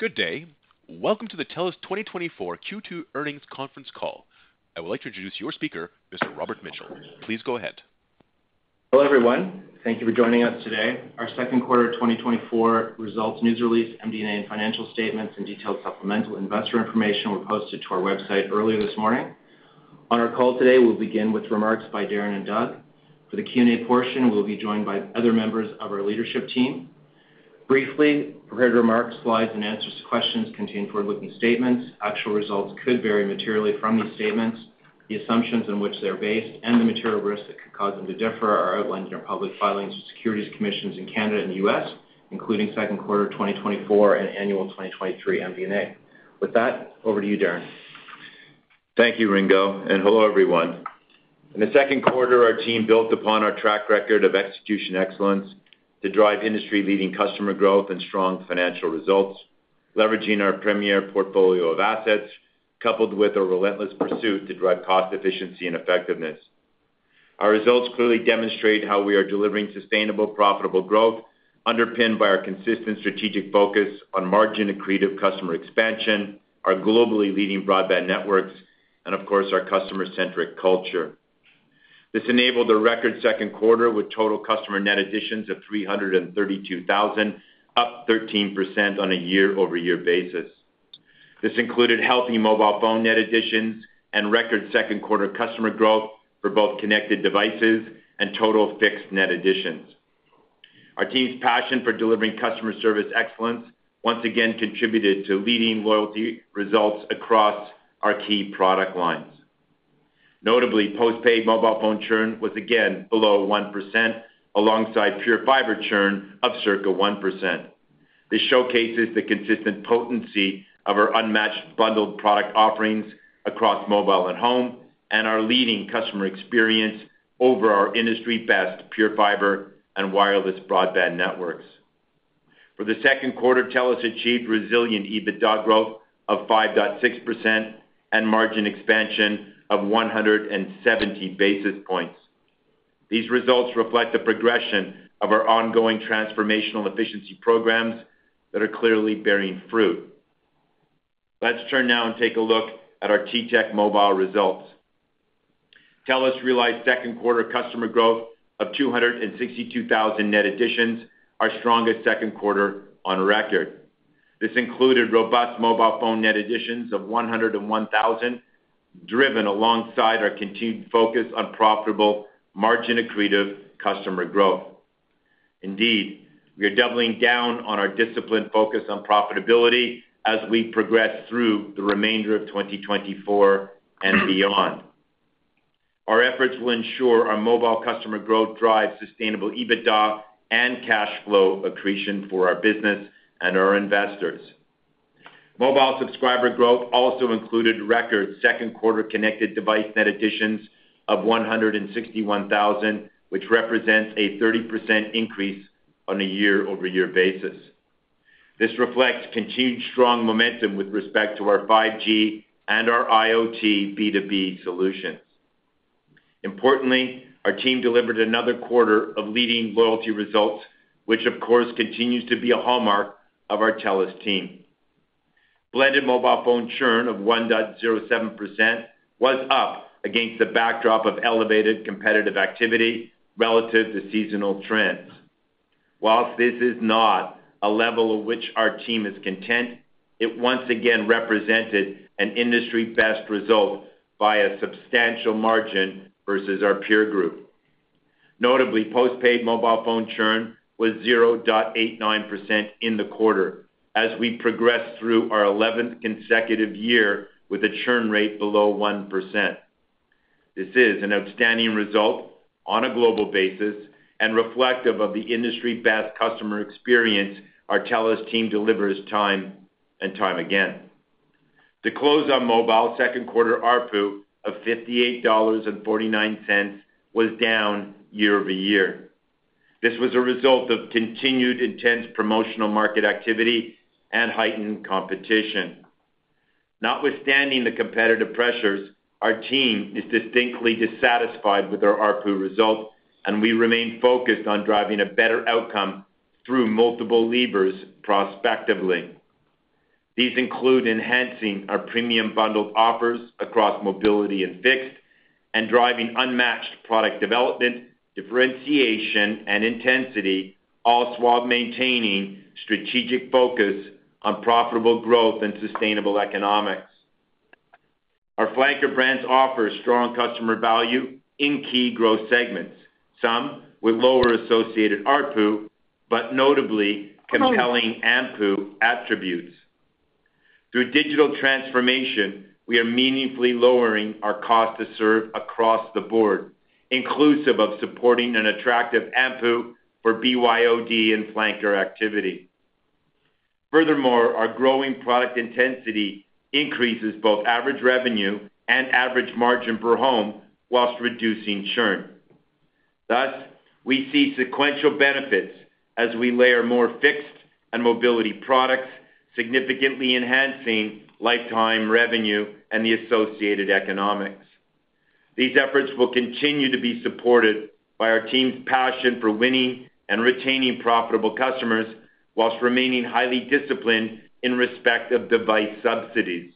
Good day. Welcome to the TELUS 2024 Q2 Earnings Conference Call. I would like to introduce your speaker, Mr. Robert Mitchell. Please go ahead. Hello, everyone. Thank you for joining us today. Our second quarter 2024 results, news release, MD&A, and financial statements, and detailed supplemental investor information were posted to our website earlier this morning. On our call today, we'll begin with remarks by Darren and Doug. For the Q&A portion, we'll be joined by other members of our leadership team. Briefly, prepared remarks, slides, and answers to questions contain forward-looking statements. Actual results could vary materially from these statements. The assumptions on which they're based and the material risks that could cause them to differ are outlined in our public filings with securities commissions in Canada and U.S., including second quarter 2024 and annual 2023 MD&A. With that, over to you, Darren. Thank you, Ringo, and hello, everyone. In the second quarter, our team built upon our track record of execution excellence to drive industry-leading customer growth and strong financial results, leveraging our premier portfolio of assets, coupled with a relentless pursuit to drive cost efficiency and effectiveness. Our results clearly demonstrate how we are delivering sustainable, profitable growth, underpinned by our consistent strategic focus on margin accretive customer expansion, our globally leading broadband networks, and of course, our customer-centric culture. This enabled a record second quarter with total customer net additions of 332,000, up 13% on a year-over-year basis. This included healthy mobile phone net additions and record second quarter customer growth for both connected devices and total fixed net additions. Our team's passion for delivering customer service excellence once again contributed to leading loyalty results across our key product lines. Notably, postpaid mobile phone churn was again below 1%, alongside PureFibre churn of circa 1%. This showcases the consistent potency of our unmatched bundled product offerings across mobile and home, and our leading customer experience over our industry-best PureFibre and wireless broadband networks. For the second quarter, TELUS achieved resilient EBITDA growth of 5.6% and margin expansion of 170 basis points. These results reflect the progression of our ongoing transformational efficiency programs that are clearly bearing fruit. Let's turn now and take a look at our TTech Mobile results. TELUS realized second quarter customer growth of 262,000 net additions, our strongest second quarter on record. This included robust mobile phone net additions of 101,000, driven alongside our continued focus on profitable margin accretive customer growth. Indeed, we are doubling down on our disciplined focus on profitability as we progress through the remainder of 2024 and beyond. Our efforts will ensure our mobile customer growth drives sustainable EBITDA and cash flow accretion for our business and our investors. Mobile subscriber growth also included record second quarter connected device net additions of 161,000, which represents a 30% increase on a year-over-year basis. This reflects continued strong momentum with respect to our 5G and our IoT B2B solutions. Importantly, our team delivered another quarter of leading loyalty results, which of course, continues to be a hallmark of our TELUS team. Blended mobile phone churn of 1.07% was up against the backdrop of elevated competitive activity relative to seasonal trends. While this is not a level of which our team is content, it once again represented an industry-best result by a substantial margin versus our peer group. Notably, postpaid mobile phone churn was 0.89% in the quarter as we progress through our 11th consecutive year with a churn rate below 1%. This is an outstanding result on a global basis and reflective of the industry-best customer experience our TELUS team delivers time and time again. To close on mobile, second quarter ARPU of 58.49 dollars was down year-over-year. This was a result of continued intense promotional market activity and heightened competition. Notwithstanding the competitive pressures, our team is distinctly dissatisfied with our ARPU results, and we remain focused on driving a better outcome through multiple levers prospectively. These include enhancing our premium bundled offers across mobility and fixed, and driving unmatched product development, differentiation, and intensity, all while maintaining strategic focus on profitable growth and sustainable economics. Our flanker brands offer strong customer value in key growth segments, some with lower associated ARPU, but notably compelling AMPU attributes. Through digital transformation, we are meaningfully lowering our cost to serve across the board, inclusive of supporting an attractive AMPU for BYOD and flanker activity. Furthermore, our growing product intensity increases both average revenue and average margin per home, whilst reducing churn. Thus, we see sequential benefits as we layer more fixed and mobility products, significantly enhancing lifetime revenue and the associated economics. These efforts will continue to be supported by our team's passion for winning and retaining profitable customers, whilst remaining highly disciplined in respect of device subsidies.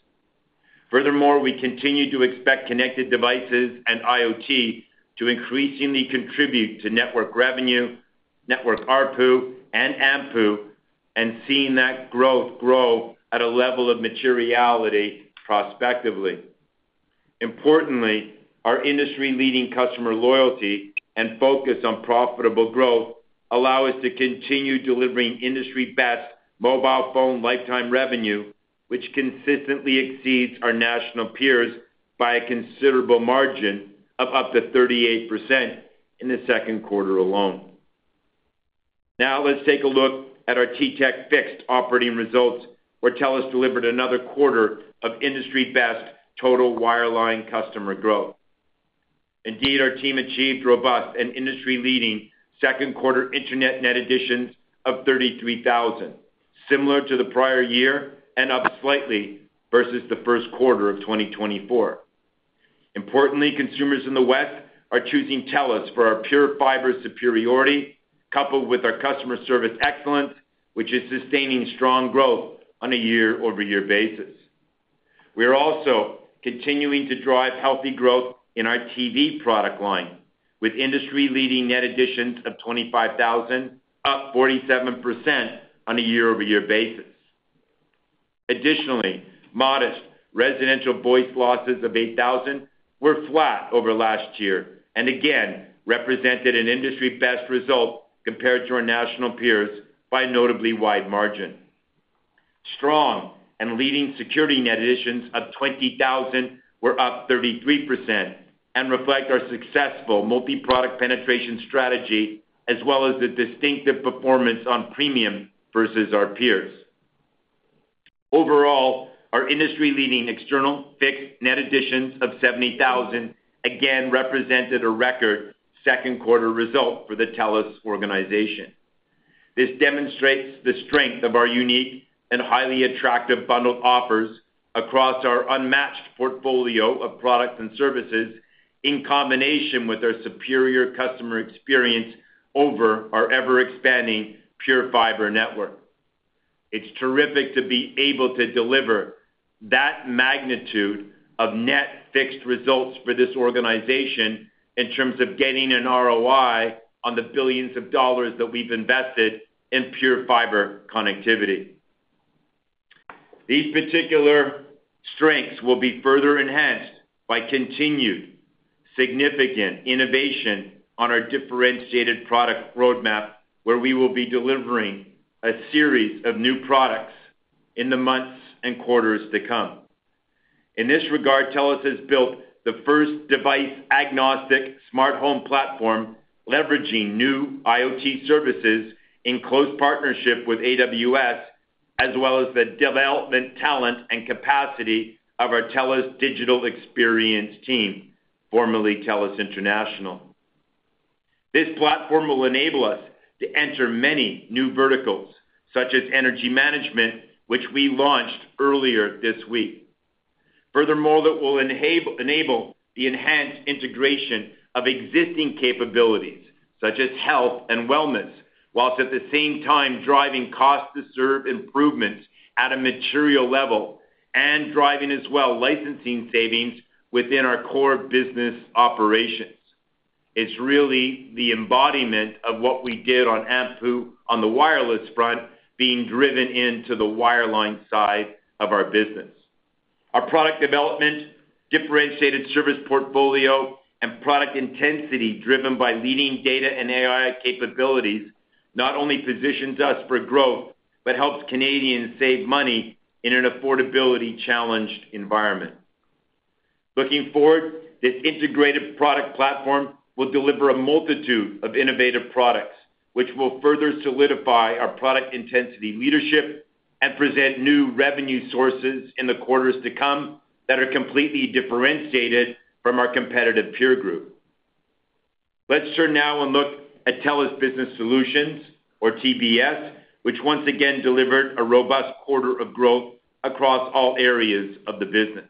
Furthermore, we continue to expect connected devices and IoT to increasingly contribute to network revenue, network ARPU, and AMPU, and seeing that growth grow at a level of materiality prospectively. Importantly, our industry-leading customer loyalty and focus on profitable growth allow us to continue delivering industry-best mobile phone lifetime revenue, which consistently exceeds our national peers by a considerable margin of up to 38% in the second quarter alone. Now, let's take a look at our TTech fixed operating results, where TELUS delivered another quarter of industry-best total wireline customer growth. Indeed, our team achieved robust and industry-leading second quarter internet net additions of 33,000, similar to the prior year and up slightly versus the first quarter of 2024. Importantly, consumers in the West are choosing TELUS for our PureFibre superiority, coupled with our customer service excellence, which is sustaining strong growth on a year-over-year basis. We are also continuing to drive healthy growth in our TV product line, with industry-leading net additions of 25,000, up 47% on a year-over-year basis. Additionally, modest residential voice losses of 8,000 were flat over last year, and again, represented an industry-best result compared to our national peers by a notably wide margin. Strong and leading security net additions of 20,000 were up 33% and reflect our successful multi-product penetration strategy, as well as the distinctive performance on premium versus our peers. Overall, our industry-leading external fixed net additions of 70,000 again represented a record second quarter result for the TELUS organization. This demonstrates the strength of our unique and highly attractive bundled offers across our unmatched portfolio of products and services, in combination with our superior customer experience over our ever-expanding PureFibre network. It's terrific to be able to deliver that magnitude of net fixed results for this organization in terms of getting an ROI on the billions of dollars that we've invested in PureFibre connectivity. These particular strengths will be further enhanced by continued significant innovation on our differentiated product roadmap, where we will be delivering a series of new products in the months and quarters to come. In this regard, TELUS has built the first device-agnostic smart home platform, leveraging new IoT services in close partnership with AWS, as well as the development, talent, and capacity of our TELUS Digital Experience team, formerly TELUS International. This platform will enable us to enter many new verticals, such as energy management, which we launched earlier this week. Furthermore, that will enable the enhanced integration of existing capabilities, such as health and wellness, whilst at the same time driving cost to serve improvements at a material level and driving as well, licensing savings within our core business operations. It's really the embodiment of what we did on AMPU, on the wireless front, being driven into the wireline side of our business. Our product development, differentiated service portfolio, and product intensity, driven by leading data and AI capabilities, not only positions us for growth, but helps Canadians save money in an affordability-challenged environment. Looking forward, this integrated product platform will deliver a multitude of innovative products, which will further solidify our product intensity leadership and present new revenue sources in the quarters to come that are completely differentiated from our competitive peer group. Let's turn now and look at TELUS Business Solutions, or TBS, which once again delivered a robust quarter of growth across all areas of the business.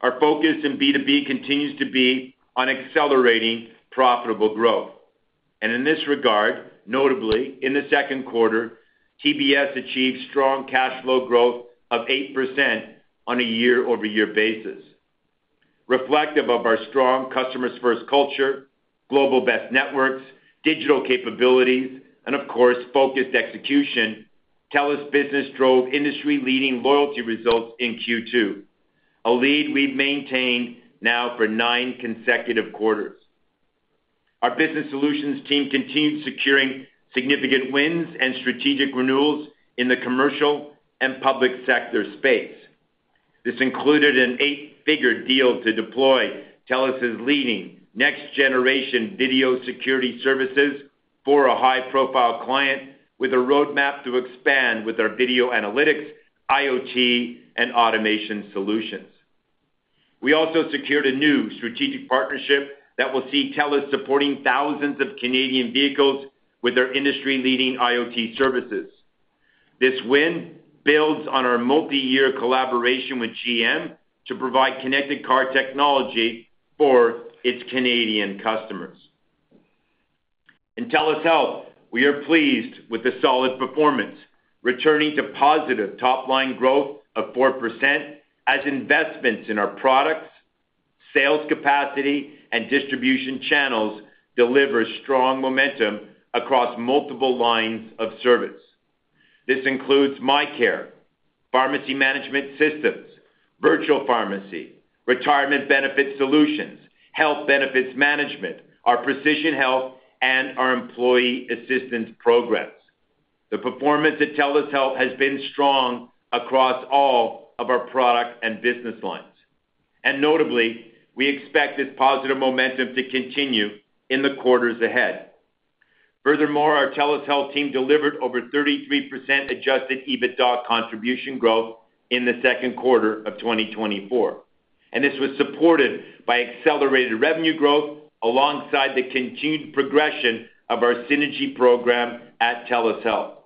Our focus in B2B continues to be on accelerating profitable growth. And in this regard, notably, in the second quarter, TBS achieved strong cash flow growth of 8% on a year-over-year basis. Reflective of our strong customers first culture, global best networks, digital capabilities, and of course, focused execution, TELUS Business drove industry-leading loyalty results in Q2, a lead we've maintained now for nine consecutive quarters. Our Business Solutions team continued securing significant wins and strategic renewals in the commercial and public sector space. This included an eight-figure deal to deploy TELUS' leading next-generation video security services for a high-profile client with a roadmap to expand with our video analytics, IoT, and automation solutions. We also secured a new strategic partnership that will see TELUS supporting thousands of Canadian vehicles with their industry-leading IoT services. This win builds on our multiyear collaboration with GM to provide connected car technology for its Canadian customers. In TELUS Health, we are pleased with the solid performance, returning to positive top-line growth of 4% as investments in our products, sales capacity, and distribution channels deliver strong momentum across multiple lines of service. This includes MyCare, pharmacy management systems, virtual pharmacy, retirement benefit solutions, health benefits management, our precision health, and our employee assistance programs. The performance at TELUS Health has been strong across all of our product and business lines, and notably, we expect this positive momentum to continue in the quarters ahead. Furthermore, our TELUS Health team delivered over 33% adjusted EBITDA contribution growth in the second quarter of 2024, and this was supported by accelerated revenue growth alongside the continued progression of our synergy program at TELUS Health.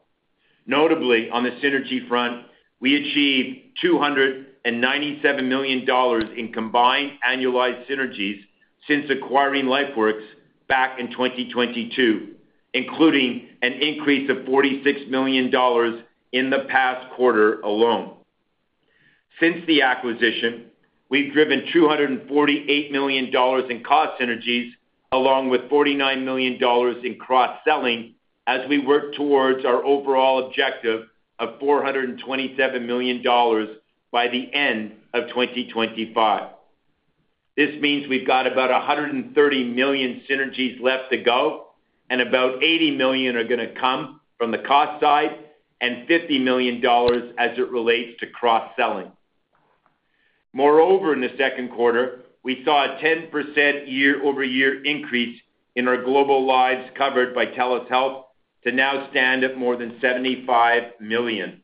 Notably, on the synergy front, we achieved 297 million dollars in combined annualized synergies since acquiring LifeWorks back in 2022, including an increase of 46 million dollars in the past quarter alone. Since the acquisition, we've driven 248 million dollars in cost synergies, along with 49 million dollars in cross-selling as we work towards our overall objective of 427 million dollars by the end of 2025. This means we've got about 130 million synergies left to go, and about 80 million are going to come from the cost side and 50 million dollars as it relates to cross-selling. Moreover, in the second quarter, we saw a 10% year-over-year increase in our global lives covered by TELUS Health to now stand at more than 75 million.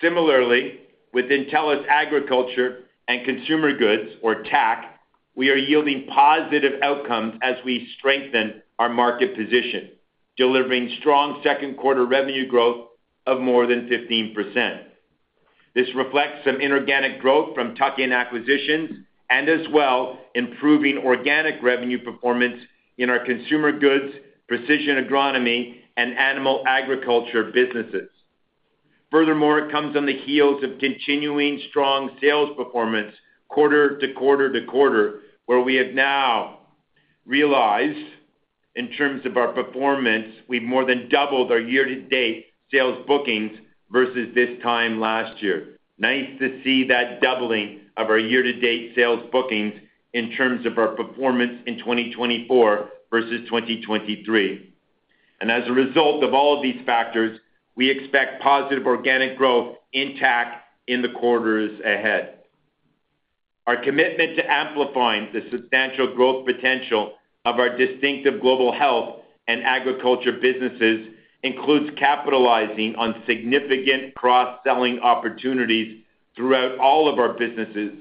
Similarly, within TELUS Agriculture and Consumer Goods, or TAC, we are yielding positive outcomes as we strengthen our market position, delivering strong second quarter revenue growth of more than 15%. This reflects some inorganic growth from tuck-in acquisitions and as well, improving organic revenue performance in our consumer goods, precision agronomy, and animal agriculture businesses. Furthermore, it comes on the heels of continuing strong sales performance quarter to quarter to quarter, where we have now realized, in terms of our performance, we've more than doubled our year-to-date sales bookings versus this time last year. Nice to see that doubling of our year-to-date sales bookings in terms of our performance in 2024 versus 2023. As a result of all of these factors, we expect positive organic growth in TAC in the quarters ahead. Our commitment to amplifying the substantial growth potential of our distinctive global health and agriculture businesses includes capitalizing on significant cross-selling opportunities throughout all of our businesses,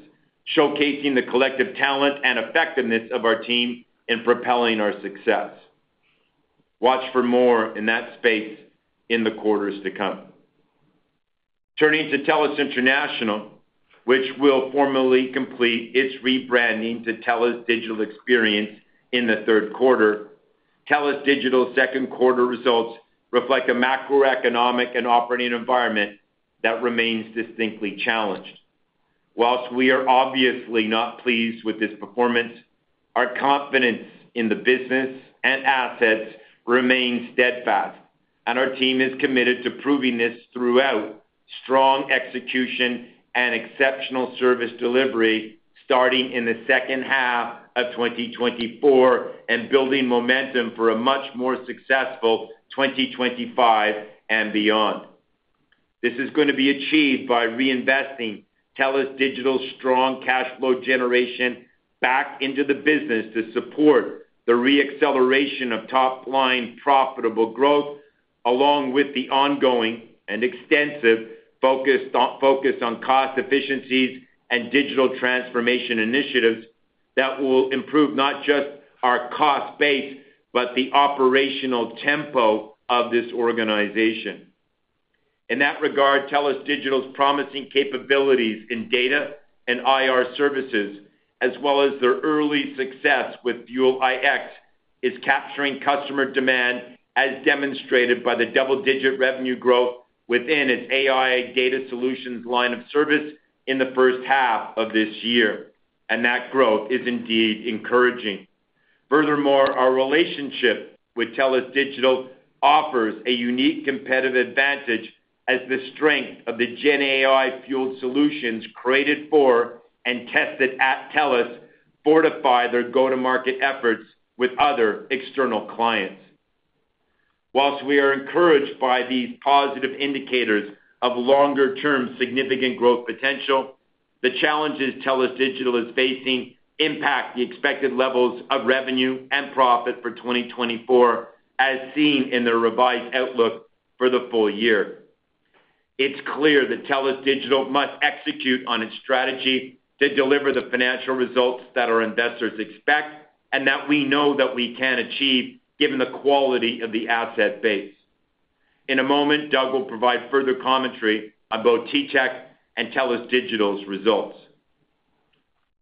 showcasing the collective talent and effectiveness of our team in propelling our success. Watch for more in that space in the quarters to come. Turning to TELUS International, which will formally complete its rebranding to TELUS Digital Experience in the third quarter, TELUS Digital's second quarter results reflect a macroeconomic and operating environment that remains distinctly challenged. While we are obviously not pleased with this performance, our confidence in the business and assets remains steadfast, and our team is committed to proving this throughout strong execution and exceptional service delivery, starting in the second half of 2024 and building momentum for a much more successful 2025 and beyond. This is going to be achieved by reinvesting TELUS Digital's strong cash flow generation back into the business to support the re-acceleration of top-line profitable growth, along with the ongoing and extensive focus on cost efficiencies and digital transformation initiatives that will improve not just our cost base, but the operational tempo of this organization. In that regard, TELUS Digital's promising capabilities in data and AI services, as well as their early success with Fuel iX, is capturing customer demand, as demonstrated by the double-digit revenue growth within its AI data solutions line of service in the first half of this year, and that growth is indeed encouraging. Furthermore, our relationship with TELUS Digital offers a unique competitive advantage as the strength of the GenAI-fueled solutions created for and tested at TELUS fortify their go-to-market efforts with other external clients. While we are encouraged by these positive indicators of longer-term significant growth potential, the challenges TELUS Digital is facing impact the expected levels of revenue and profit for 2024, as seen in their revised outlook for the full year. It's clear that TELUS Digital must execute on its strategy to deliver the financial results that our investors expect, and that we know that we can achieve, given the quality of the asset base. In a moment, Doug will provide further commentary on both TTech and TELUS Digital's results.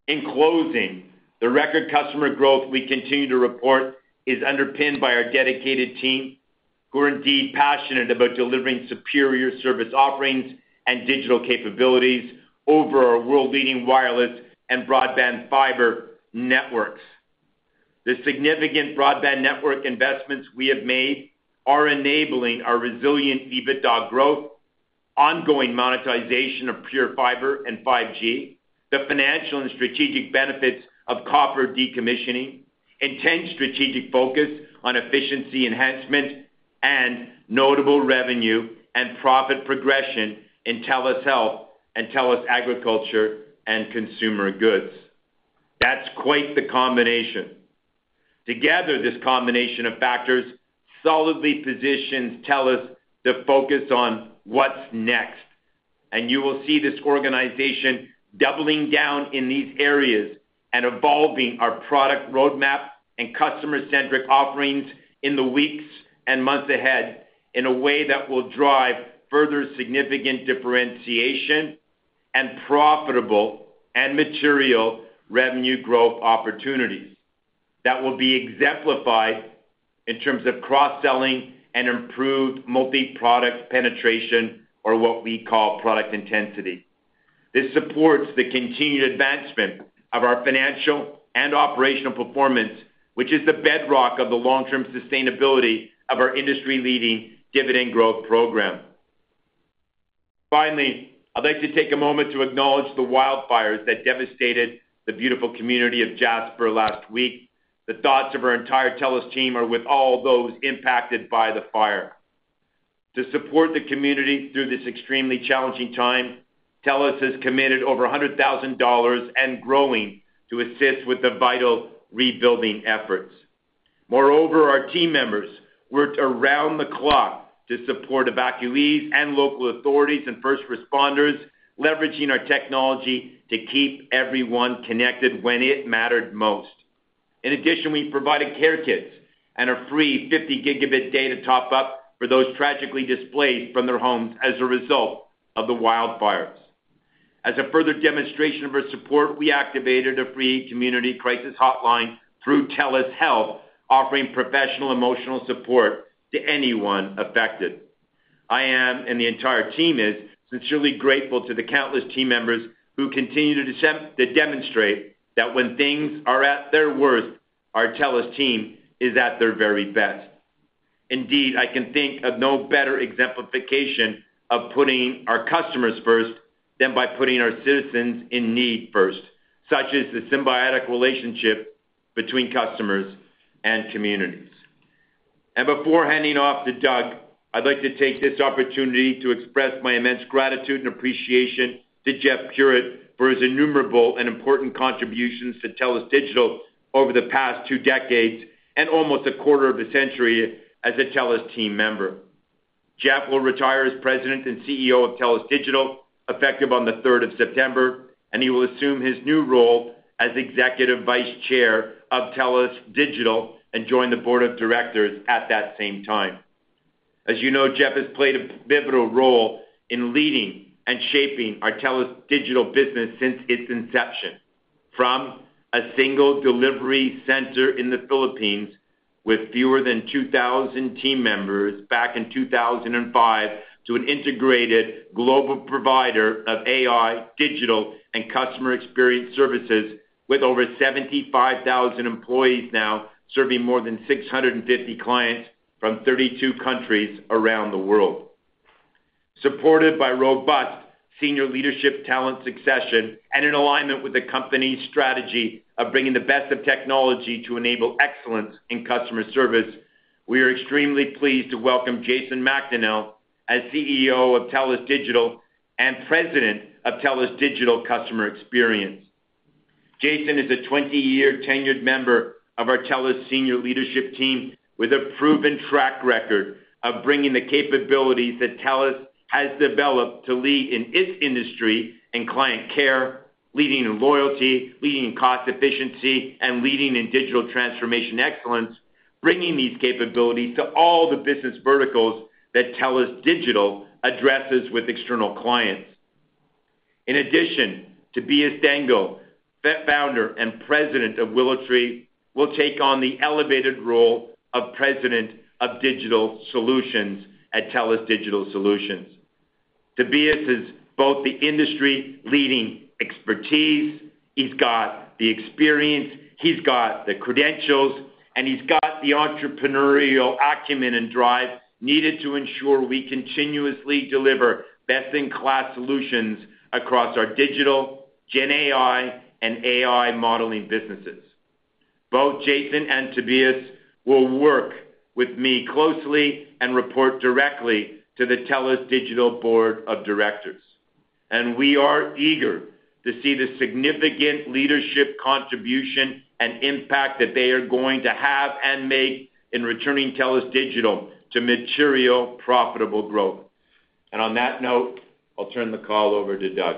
In closing, the record customer growth we continue to report is underpinned by our dedicated team, who are indeed passionate about delivering superior service offerings and digital capabilities over our world-leading wireless and broadband fiber networks. The significant broadband network investments we have made are enabling our resilient EBITDA growth, ongoing monetization of PureFibre and 5G, the financial and strategic benefits of copper decommissioning, intense strategic focus on efficiency enhancement, and notable revenue and profit progression in TELUS Health and TELUS Agriculture and Consumer Goods. That's quite the combination. Together, this combination of factors solidly positions TELUS to focus on what's next, and you will see this organization doubling down in these areas and evolving our product roadmap and customer-centric offerings in the weeks and months ahead in a way that will drive further significant differentiation and profitable and material revenue growth opportunities. That will be exemplified in terms of cross-selling and improved multi-product penetration, or what we call product intensity. This supports the continued advancement of our financial and operational performance, which is the bedrock of the long-term sustainability of our industry-leading dividend growth program. Finally, I'd like to take a moment to acknowledge the wildfires that devastated the beautiful community of Jasper last week. The thoughts of our entire TELUS team are with all those impacted by the fire. To support the community through this extremely challenging time, TELUS has committed over 100,000 dollars and growing to assist with the vital rebuilding efforts. Moreover, our team members worked around the clock to support evacuees and local authorities and first responders, leveraging our technology to keep everyone connected when it mattered most. In addition, we provided care kits and a free 50 GB data top-up for those tragically displaced from their homes as a result of the wildfires. As a further demonstration of our support, we activated a free community crisis hotline through TELUS Health, offering professional emotional support to anyone affected. I am, and the entire team is, sincerely grateful to the countless team members who continue to demonstrate that when things are at their worst, our TELUS team is at their very best. Indeed, I can think of no better exemplification of putting our customers first than by putting our citizens in need first, such as the symbiotic relationship between customers and communities. Before handing off to Doug, I'd like to take this opportunity to express my immense gratitude and appreciation to Jeff Puritt for his innumerable and important contributions to TELUS Digital over the past two decades and almost a quarter of a century as a TELUS team member. Jeff will retire as President and CEO of TELUS Digital, effective on the 3rd of September, and he will assume his new role as Executive Vice Chair of TELUS Digital and join the Board of Directors at that same time. As you know, Jeff has played a pivotal role in leading and shaping our TELUS Digital business since its inception, from a single delivery center in the Philippines with fewer than 2,000 team members back in 2005, to an integrated global provider of AI, digital, and customer experience services, with over 75,000 employees now serving more than 650 clients from 32 countries around the world. Supported by robust senior leadership, talent, succession, and in alignment with the company's strategy of bringing the best of technology to enable excellence in customer service, we are extremely pleased to welcome Jason Macdonnell as CEO of TELUS Digital and President of TELUS Digital Customer Experience. Jason is a 20-year tenured member of our TELUS senior leadership team, with a proven track record of bringing the capabilities that TELUS has developed to lead in its industry in client care, leading in loyalty, leading in cost efficiency, and leading in digital transformation excellence, bringing these capabilities to all the business verticals that TELUS Digital addresses with external clients. In addition, Tobias Dengel, founder and president of WillowTree, will take on the elevated role of President of Digital Solutions at TELUS Digital Solutions. Tobias has both the industry-leading expertise, he's got the experience, he's got the credentials, and he's got the entrepreneurial acumen and drive needed to ensure we continuously deliver best-in-class solutions across our digital, GenAI, and AI modeling businesses. Both Jason and Tobias will work with me closely and report directly to the TELUS Digital Board of Directors. We are eager to see the significant leadership contribution and impact that they are going to have and make in returning TELUS Digital to material profitable growth. On that note, I'll turn the call over to Doug.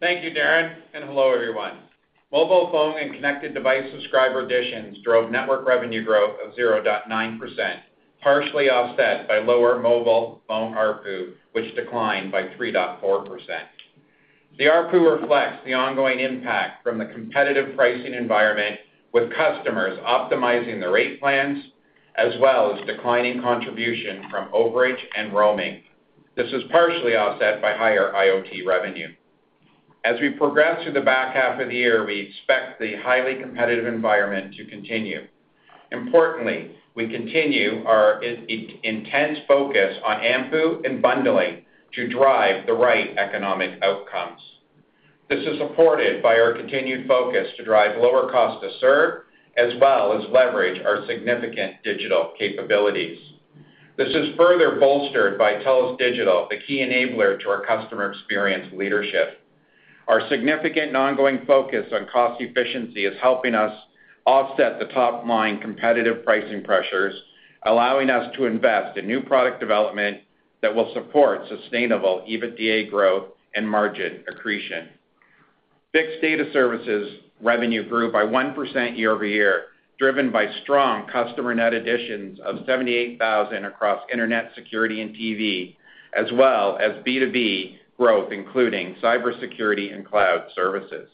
Thank you, Darren, and hello, everyone. Mobile phone and connected device subscriber additions drove network revenue growth of 0.9%, partially offset by lower mobile phone ARPU, which declined by 3.4%. The ARPU reflects the ongoing impact from the competitive pricing environment, with customers optimizing the rate plans, as well as declining contribution from overage and roaming. This is partially offset by higher IoT revenue. As we progress through the back half of the year, we expect the highly competitive environment to continue. Importantly, we continue our intense focus on AMPU and bundling to drive the right economic outcomes. This is supported by our continued focus to drive lower cost to serve, as well as leverage our significant digital capabilities. This is further bolstered by TELUS Digital, the key enabler to our customer experience leadership. Our significant and ongoing focus on cost efficiency is helping us offset the top-line competitive pricing pressures, allowing us to invest in new product development that will support sustainable EBITDA growth and margin accretion. Fixed data services revenue grew by 1% year-over-year, driven by strong customer net additions of 78,000 across internet security and TV, as well as B2B growth, including cybersecurity and cloud services.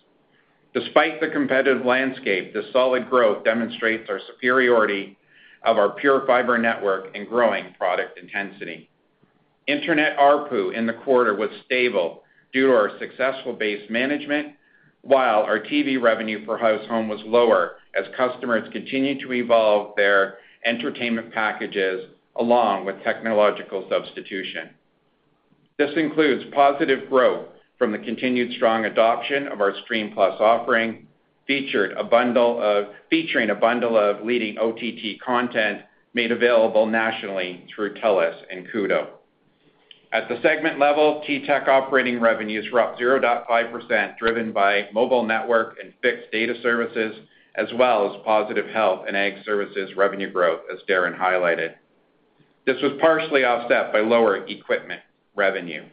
Despite the competitive landscape, the solid growth demonstrates the superiority of our PureFibre network and growing product intensity. Internet ARPU in the quarter was stable due to our successful base management, while our TV revenue per household was lower as customers continued to evolve their entertainment packages, along with technological substitution. This includes positive growth from the continued strong adoption of our Stream+ offering, featuring a bundle of leading OTT content made available nationally through TELUS and Koodo. At the segment level, TTech operating revenues were up 0.5%, driven by mobile network and fixed data services, as well as positive health and ag services revenue growth, as Darren highlighted. This was partially offset by lower equipment revenue.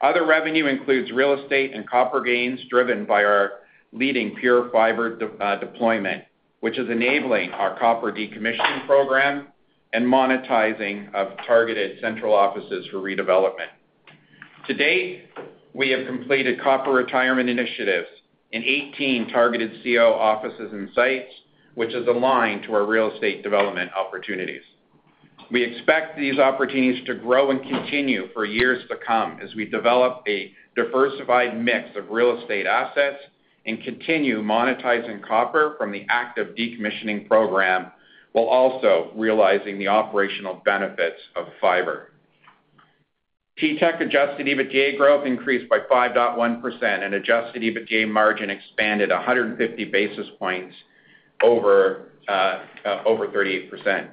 Other revenue includes real estate and copper gains, driven by our leading PureFibre deployment, which is enabling our copper decommissioning program and monetizing of targeted central offices for redevelopment. To date, we have completed copper retirement initiatives in 18 targeted CO offices and sites, which is aligned to our real estate development opportunities. We expect these opportunities to grow and continue for years to come as we develop a diversified mix of real estate assets and continue monetizing copper from the active decommissioning program, while also realizing the operational benefits of fiber. TTech adjusted EBITDA growth increased by 5.1%, and adjusted EBITDA margin expanded 150 basis points over 38%.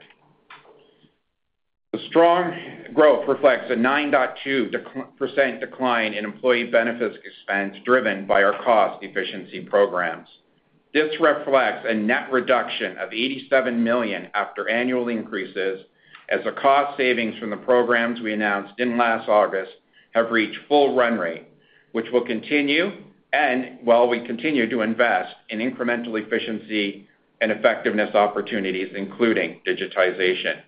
The strong growth reflects a 9.2% decline in employee benefits expense, driven by our cost efficiency programs. This reflects a net reduction of 87 million after annual increases, as the cost savings from the programs we announced in last August have reached full run rate, which will continue, and while we continue to invest in incremental efficiency and effectiveness opportunities, including digitization.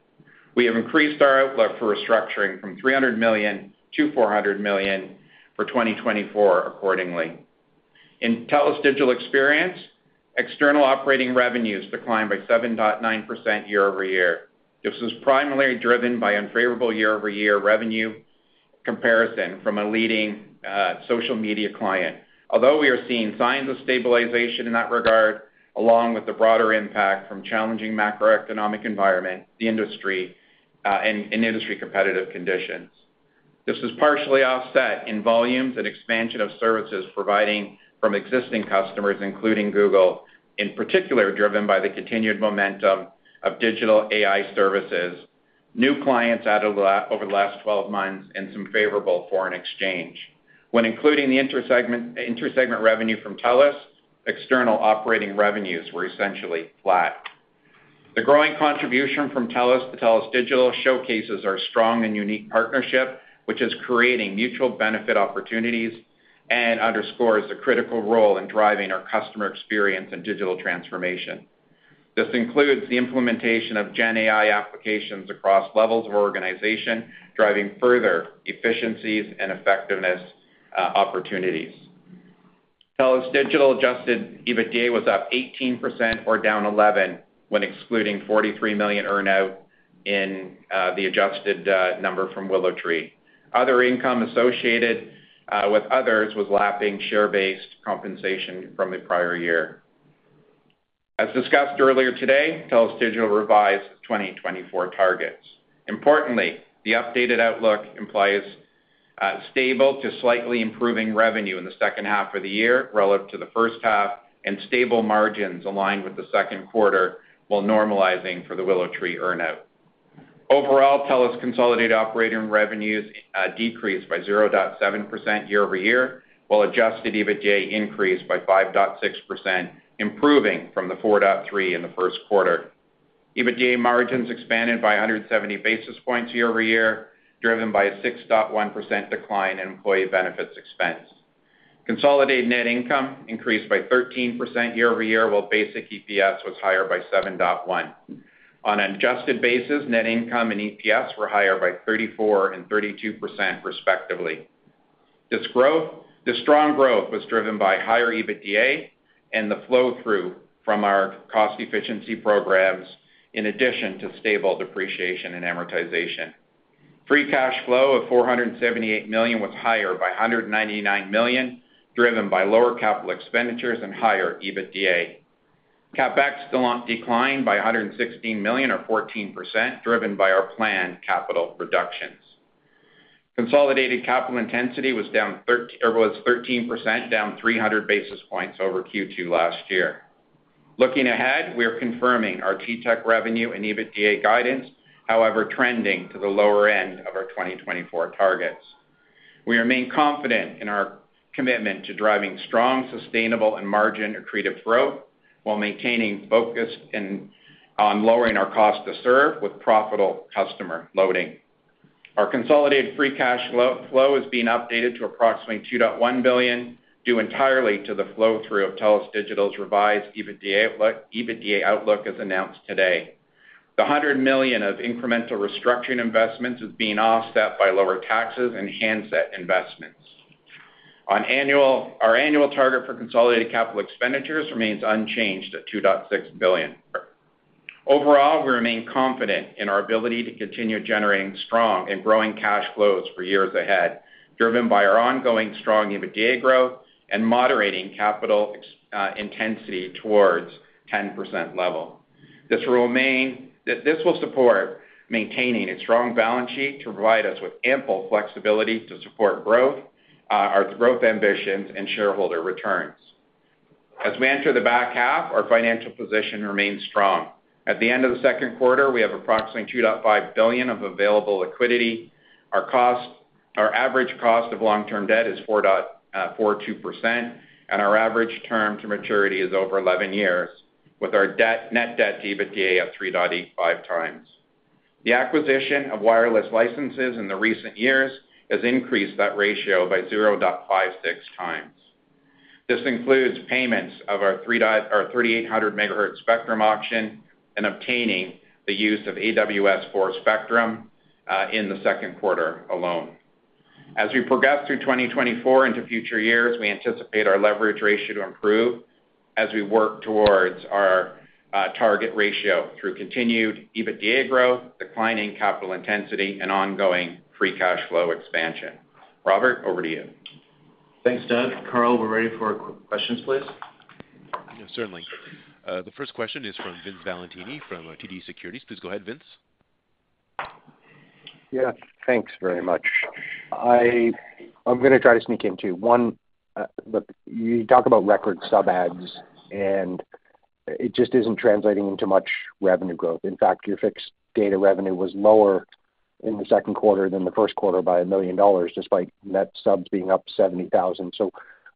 We have increased our outlook for restructuring from 300 million to 400 million for 2024 accordingly. In TELUS Digital Experience, external operating revenues declined by 7.9% year-over-year. This was primarily driven by unfavorable year-over-year revenue comparison from a leading social media client. Although we are seeing signs of stabilization in that regard, along with the broader impact from challenging macroeconomic environment, the industry and industry competitive conditions. This is partially offset in volumes and expansion of services providing from existing customers, including Google, in particular, driven by the continued momentum of digital AI services, new clients added over the last 12 months, and some favorable foreign exchange. When including the intersegment revenue from TELUS, external operating revenues were essentially flat. The growing contribution from TELUS to TELUS Digital showcases our strong and unique partnership, which is creating mutual benefit opportunities and underscores the critical role in driving our customer experience and digital transformation. This includes the implementation of GenAI applications across levels of organization, driving further efficiencies and effectiveness, opportunities. TELUS Digital adjusted EBITDA was up 18% or down 11%, when excluding 43 million earn-out in the adjusted number from WillowTree. Other income associated with others was lapping share-based compensation from the prior year. As discussed earlier today, TELUS Digital revised 2024 targets. Importantly, the updated outlook implies stable to slightly improving revenue in the second half of the year relative to the first half, and stable margins aligned with the second quarter, while normalizing for the WillowTree earn-out. Overall, TELUS consolidated operating revenues decreased by 0.7% year-over-year, while adjusted EBITDA increased by 5.6%, improving from the 4.3% in the first quarter. EBITDA margins expanded by 170 basis points year-over-year, driven by a 6.1% decline in employee benefits expense. Consolidated net income increased by 13% year-over-year, while basic EPS was higher by 7.1. On an adjusted basis, net income and EPS were higher by 34% and 32% respectively. This strong growth was driven by higher EBITDA and the flow-through from our cost efficiency programs, in addition to stable depreciation and amortization. Free cash flow of 478 million was higher by 199 million, driven by lower capital expenditures and higher EBITDA. CapEx still on decline by 116 million, or 14%, driven by our planned capital reductions. Consolidated capital intensity was 13%, down 300 basis points over Q2 last year. Looking ahead, we are confirming our TTech revenue and EBITDA guidance, however, trending to the lower end of our 2024 targets. We remain confident in our commitment to driving strong, sustainable, and margin-accretive growth while maintaining focus on lowering our cost to serve with profitable customer loading. Our consolidated free cash flow is being updated to approximately 2.1 billion, due entirely to the flow-through of TELUS Digital's revised EBITDA outlook, as announced today. The 100 million of incremental restructuring investments is being offset by lower taxes and handset investments. Our annual target for consolidated capital expenditures remains unchanged at 2.6 billion. Overall, we remain confident in our ability to continue generating strong and growing cash flows for years ahead, driven by our ongoing strong EBITDA growth and moderating capital intensity towards 10% level. This will support maintaining a strong balance sheet to provide us with ample flexibility to support growth, our growth ambitions, and shareholder returns. As we enter the back half, our financial position remains strong. At the end of the second quarter, we have approximately 2.5 billion of available liquidity. Our average cost of long-term debt is 4.42%, and our average term to maturity is over 11 years, with our debt, net debt to EBITDA of 3.85x. The acquisition of wireless licenses in the recent years has increased that ratio by 0.56x. This includes payments of our 3,800 MHz spectrum auction and obtaining the use of AWS-4 spectrum in the second quarter alone. As we progress through 2024 into future years, we anticipate our leverage ratio to improve as we work towards our target ratio through continued EBITDA growth, declining capital intensity, and ongoing free cash flow expansion. Robert, over to you. Thanks, Doug. Carl, we're ready for questions, please. Yeah, certainly. The first question is from Vince Valentini, from TD Securities. Please go ahead, Vince. Yeah, thanks very much. I'm gonna try to sneak in two. One, look, you talk about record sub adds, and it just isn't translating into much revenue growth. In fact, your fixed data revenue was lower in the second quarter than the first quarter by 1 million dollars, despite net subs being up 70,000. So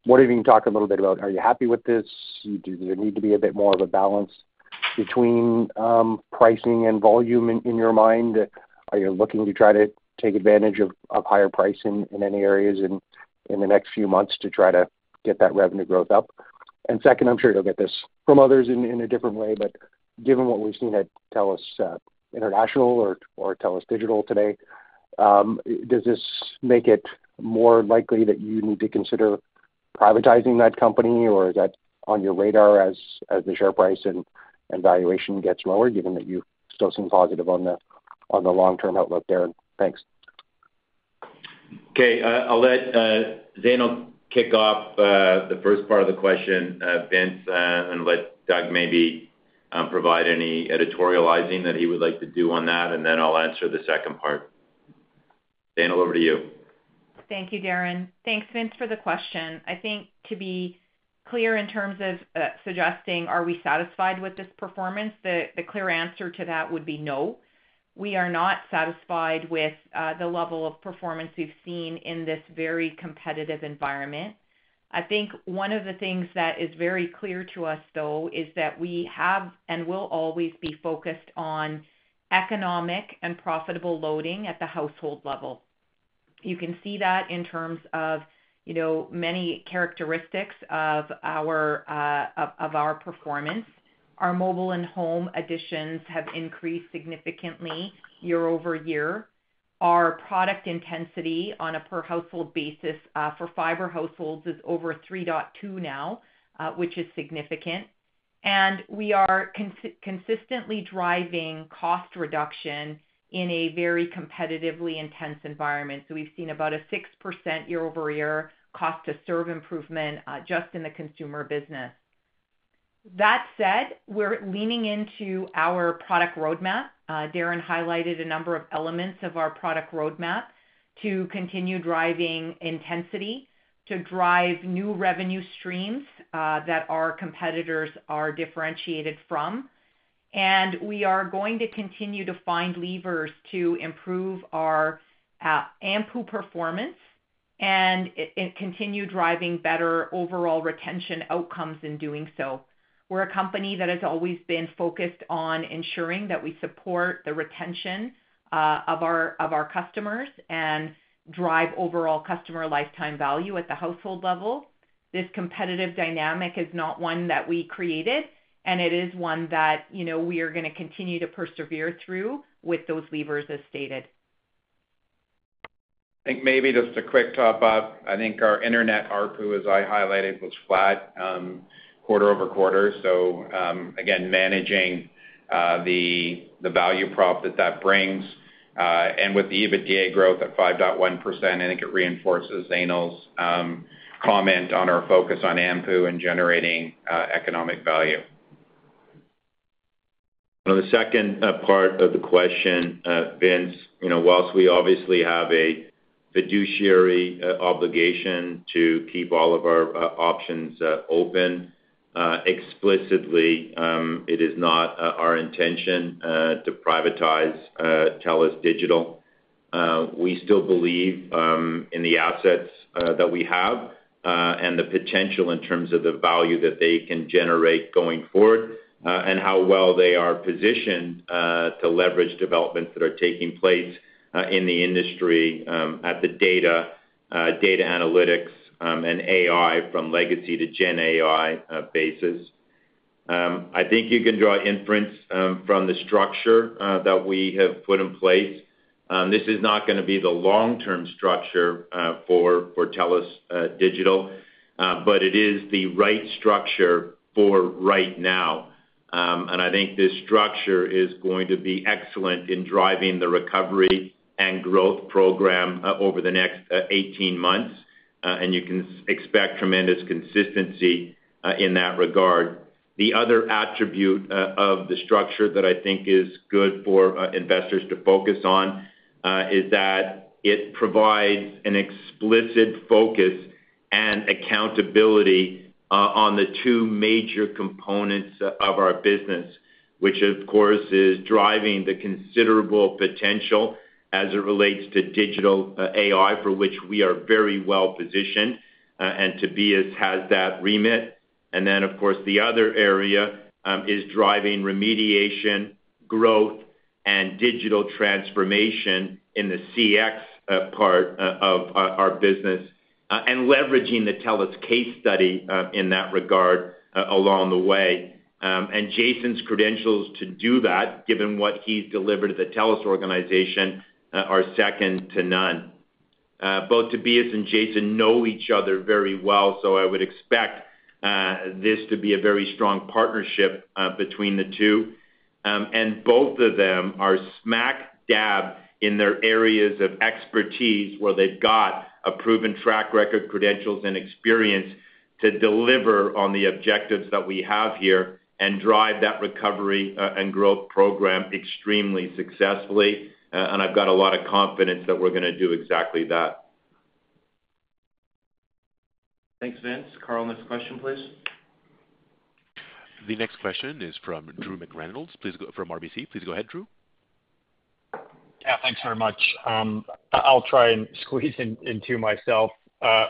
what have you talked a little bit about? Are you happy with this? Do you need to be a bit more of a balance between pricing and volume in your mind? Are you looking to try to take advantage of higher pricing in any areas in the next few months to try to get that revenue growth up? Second, I'm sure you'll get this from others in a different way, but given what we've seen at TELUS International or TELUS Digital today, does this make it more likely that you need to consider privatizing that company, or is that on your radar as the share price and valuation gets lower, given that you still seem positive on the long-term outlook there? Thanks. Okay. I'll let Zainul kick off the first part of the question, Vince, and let Doug maybe provide any editorializing that he would like to do on that, and then I'll answer the second part. Zainul, over to you. Thank you, Darren. Thanks, Vince, for the question. I think to be clear in terms of suggesting, are we satisfied with this performance? The clear answer to that would be no. We are not satisfied with the level of performance we've seen in this very competitive environment. I think one of the things that is very clear to us, though, is that we have and will always be focused on economic and profitable loading at the household level. You can see that in terms of, you know, many characteristics of our performance. Our mobile and home additions have increased significantly year-over-year. Our product intensity on a per-household basis for fiber households is over 3.2 now, which is significant. And we are consistently driving cost reduction in a very competitively intense environment. So we've seen about a 6% year-over-year cost to serve improvement, just in the consumer business. That said, we're leaning into our product roadmap. Darren highlighted a number of elements of our product roadmap to continue driving intensity, to drive new revenue streams, that our competitors are differentiated from. We are going to continue to find levers to improve our AMPU performance, and it continue driving better overall retention outcomes in doing so. We're a company that has always been focused on ensuring that we support the retention of our customers and drive overall customer lifetime value at the household level. This competitive dynamic is not one that we created, and it is one that, you know, we are going to continue to persevere through with those levers as stated. I think maybe just a quick top up. I think our internet ARPU, as I highlighted, was flat quarter-over-quarter. So, again, managing, the, the value prop that, that brings, and with the EBITDA growth at 5.1%, I think it reinforces Zainul's comment on our focus on AMPU and generating, economic value. On the second part of the question, Vince, whilst we obviously have a fiduciary obligation to keep all of our options open, explicitly, it is not our intention to privatize TELUS Digital. We still believe in the assets that we have and the potential in terms of the value that they can generate going forward and how well they are positioned to leverage developments that are taking place in the industry at the data analytics and AI, from legacy to GenAI basis. I think you can draw inference from the structure that we have put in place. This is not going to be the long-term structure for for TELUS Digital, but it is the right structure for right now. I think this structure is going to be excellent in driving the recovery and growth program over the next 18 months, and you can expect tremendous consistency in that regard. The other attribute of the structure that I think is good for investors to focus on is that it provides an explicit focus and accountability on the two major components of our business, which, of course, is driving the considerable potential as it relates to digital AI for which we are very well positioned, and Tobias has that remit. Of course, the other area is driving remediation, growth, and digital transformation in the CX part of our business, and leveraging the TELUS case study in that regard, along the way. And Jason's credentials to do that, given what he's delivered to the TELUS organization, are second to none. Both Tobias and Jason know each other very well, so I would expect this to be a very strong partnership between the two. Both of them are smack dab in their areas of expertise, where they've got a proven track record, credentials, and experience to deliver on the objectives that we have here and drive that recovery and growth program extremely successfully. I've got a lot of confidence that we're going to do exactly that. Thanks, Vince. Carl, next question, please. The next question is from Drew McReynolds from RBC. Please go ahead, Drew. Yeah, thanks very much. I'll try and squeeze in two myself.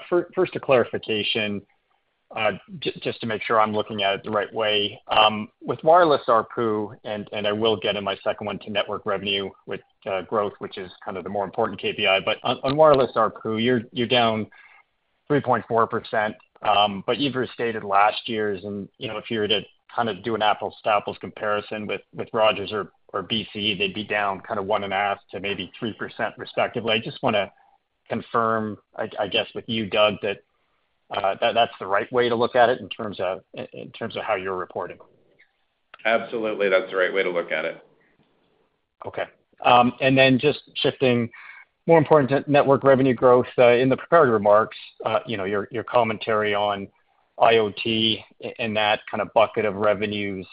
First, a clarification, just to make sure I'm looking at it the right way. With wireless ARPU, and I will get in my second one to network revenue with growth, which is kind of the more important KPI. But on wireless ARPU, you're down 3.4%, but you've restated last year's, and, you know, if you were to kind of do an apples-to-apples comparison with Rogers or BCE, they'd be down kind of 1.5%-3% respectively. I just want to confirm, I guess, with you, Doug, that that's the right way to look at it in terms of how you're reporting. Absolutely, that's the right way to look at it. Okay. And then just shifting, more important to network revenue growth, in the prepared remarks, you know, your commentary on IoT and that kind of bucket of revenues,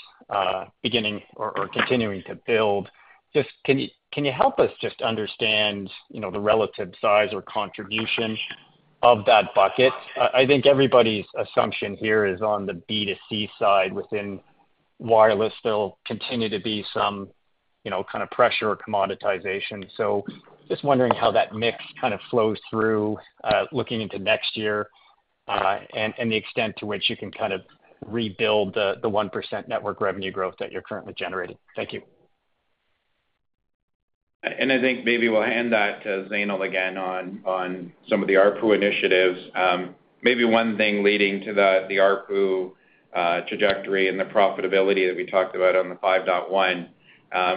beginning or continuing to build. Just, can you help us just understand, you know, the relative size or contribution of that bucket? I think everybody's assumption here is on the B2C side, within wireless, there'll continue to be some, you know, kind of pressure or commoditization. So just wondering how that mix kind of flows through, looking into next year, and the extent to which you can kind of rebuild the 1% network revenue growth that you're currently generating. Thank you. And I think maybe we'll hand that to Zainul again on some of the ARPU initiatives. Maybe one thing leading to the ARPU trajectory and the profitability that we talked about on the 5.1.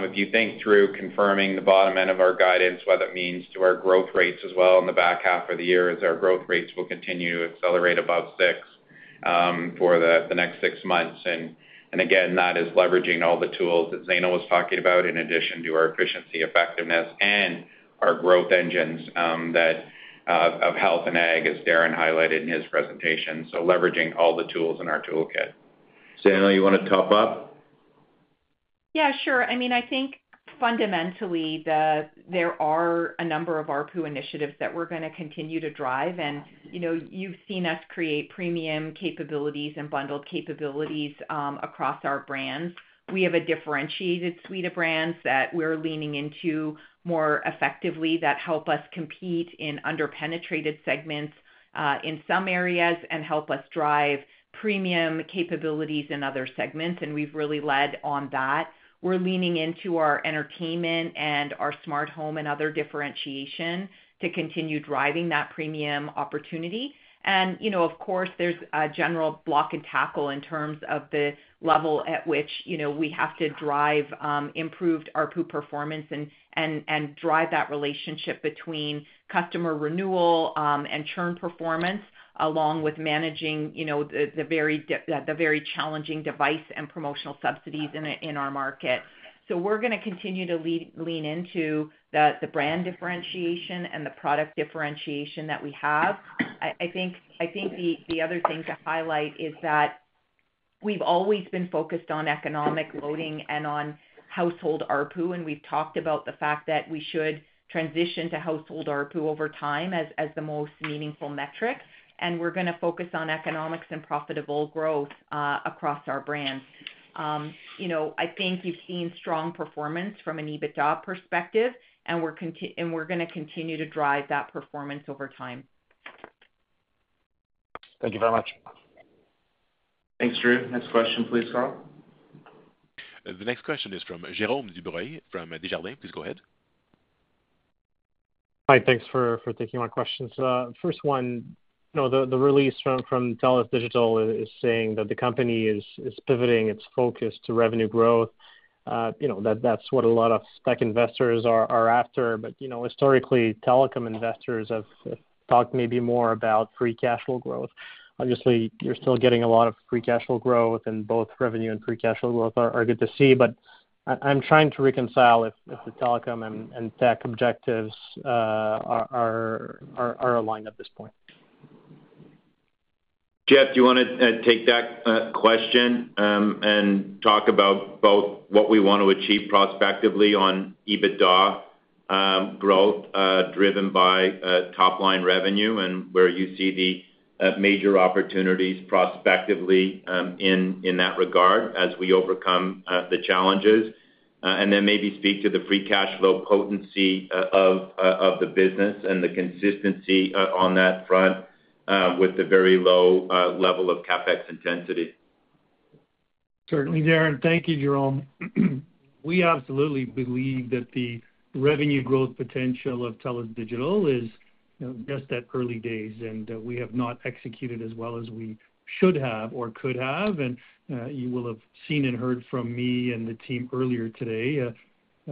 If you think through confirming the bottom end of our guidance, what it means to our growth rates as well in the back half of the year, is our growth rates will continue to accelerate above 6 for the next 6 months. And again, that is leveraging all the tools that Zainul was talking about, in addition to our efficiency, effectiveness, and our growth engines that of health and ag, as Darren highlighted in his presentation, so leveraging all the tools in our toolkit. Zainul, you want to top up? Yeah, sure. I mean, I think fundamentally, there are a number of ARPU initiatives that we're going to continue to drive. And, you know, you've seen us create premium capabilities and bundled capabilities across our brands. We have a differentiated suite of brands that we're leaning into more effectively that help us compete in under-penetrated segments in some areas and help us drive premium capabilities in other segments, and we've really led on that. We're leaning into our entertainment and our smart home and other differentiation to continue driving that premium opportunity. You know, of course, there's a general block and tackle in terms of the level at which, you know, we have to drive, improved ARPU performance and drive that relationship between customer renewal and churn performance, along with managing, you know, the very challenging device and promotional subsidies in our market. We're going to continue to lean into the brand differentiation and the product differentiation that we have. I think the other thing to highlight is that we've always been focused on economic loading and on household ARPU, and we've talked about the fact that we should transition to household ARPU over time as the most meaningful metric, and we're going to focus on economics and profitable growth across our brands. You know, I think you've seen strong performance from an EBITDA perspective, and we're going to continue to drive that performance over time. Thank you very much. Thanks, Drew. Next question, please, Carl. The next question is from Jerome Dubreuil from Desjardins. Please go ahead. Hi, thanks for taking my questions. First one, you know, the release from TELUS Digital is saying that the company is pivoting its focus to revenue growth. You know, that's what a lot of spec investors are after. But, you know, historically, telecom investors have talked maybe more about free cash flow growth. Obviously, you're still getting a lot of free cash flow growth, and both revenue and free cash flow growth are good to see. But I'm trying to reconcile if the telecom and tech objectives are aligned at this point. Jeff, do you want to take that question, and talk about both what we want to achieve prospectively on EBITDA growth, driven by top-line revenue and where you see the major opportunities prospectively, in that regard as we overcome the challenges? And then maybe speak to the free cash flow potency of the business and the consistency on that front, with the very low level of CapEx intensity. Certainly, Darren. Thank you, Jerome. We absolutely believe that the revenue growth potential of TELUS Digital is, you know, just at early days, and we have not executed as well as we should have or could have. And you will have seen and heard from me and the team earlier today,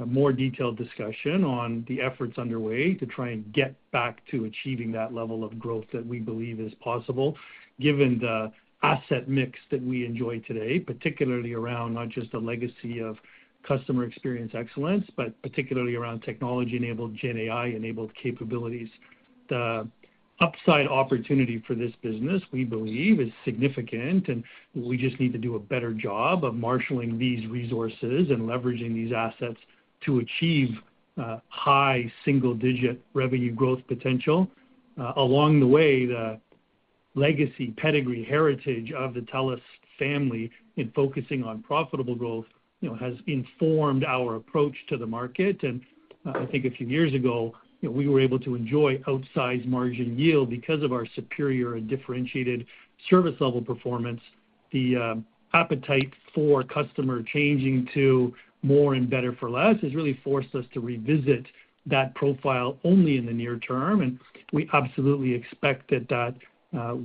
more detailed discussion on the efforts underway to try and get back to achieving that level of growth that we believe is possible, given the asset mix that we enjoy today, particularly around not just the legacy of customer experience excellence, but particularly around technology-enabled, GenAI-enabled capabilities. The upside opportunity for this business, we believe, is significant, and we just need to do a better job of marshaling these resources and leveraging these assets to achieve high single-digit revenue growth potential. Along the way, the legacy, pedigree, heritage of the TELUS family in focusing on profitable growth, you know, has informed our approach to the market. And, I think a few years ago, you know, we were able to enjoy outsized margin yield because of our superior and differentiated service level performance. The appetite for customer changing to more and better for less has really forced us to revisit that profile only in the near term, and we absolutely expect that that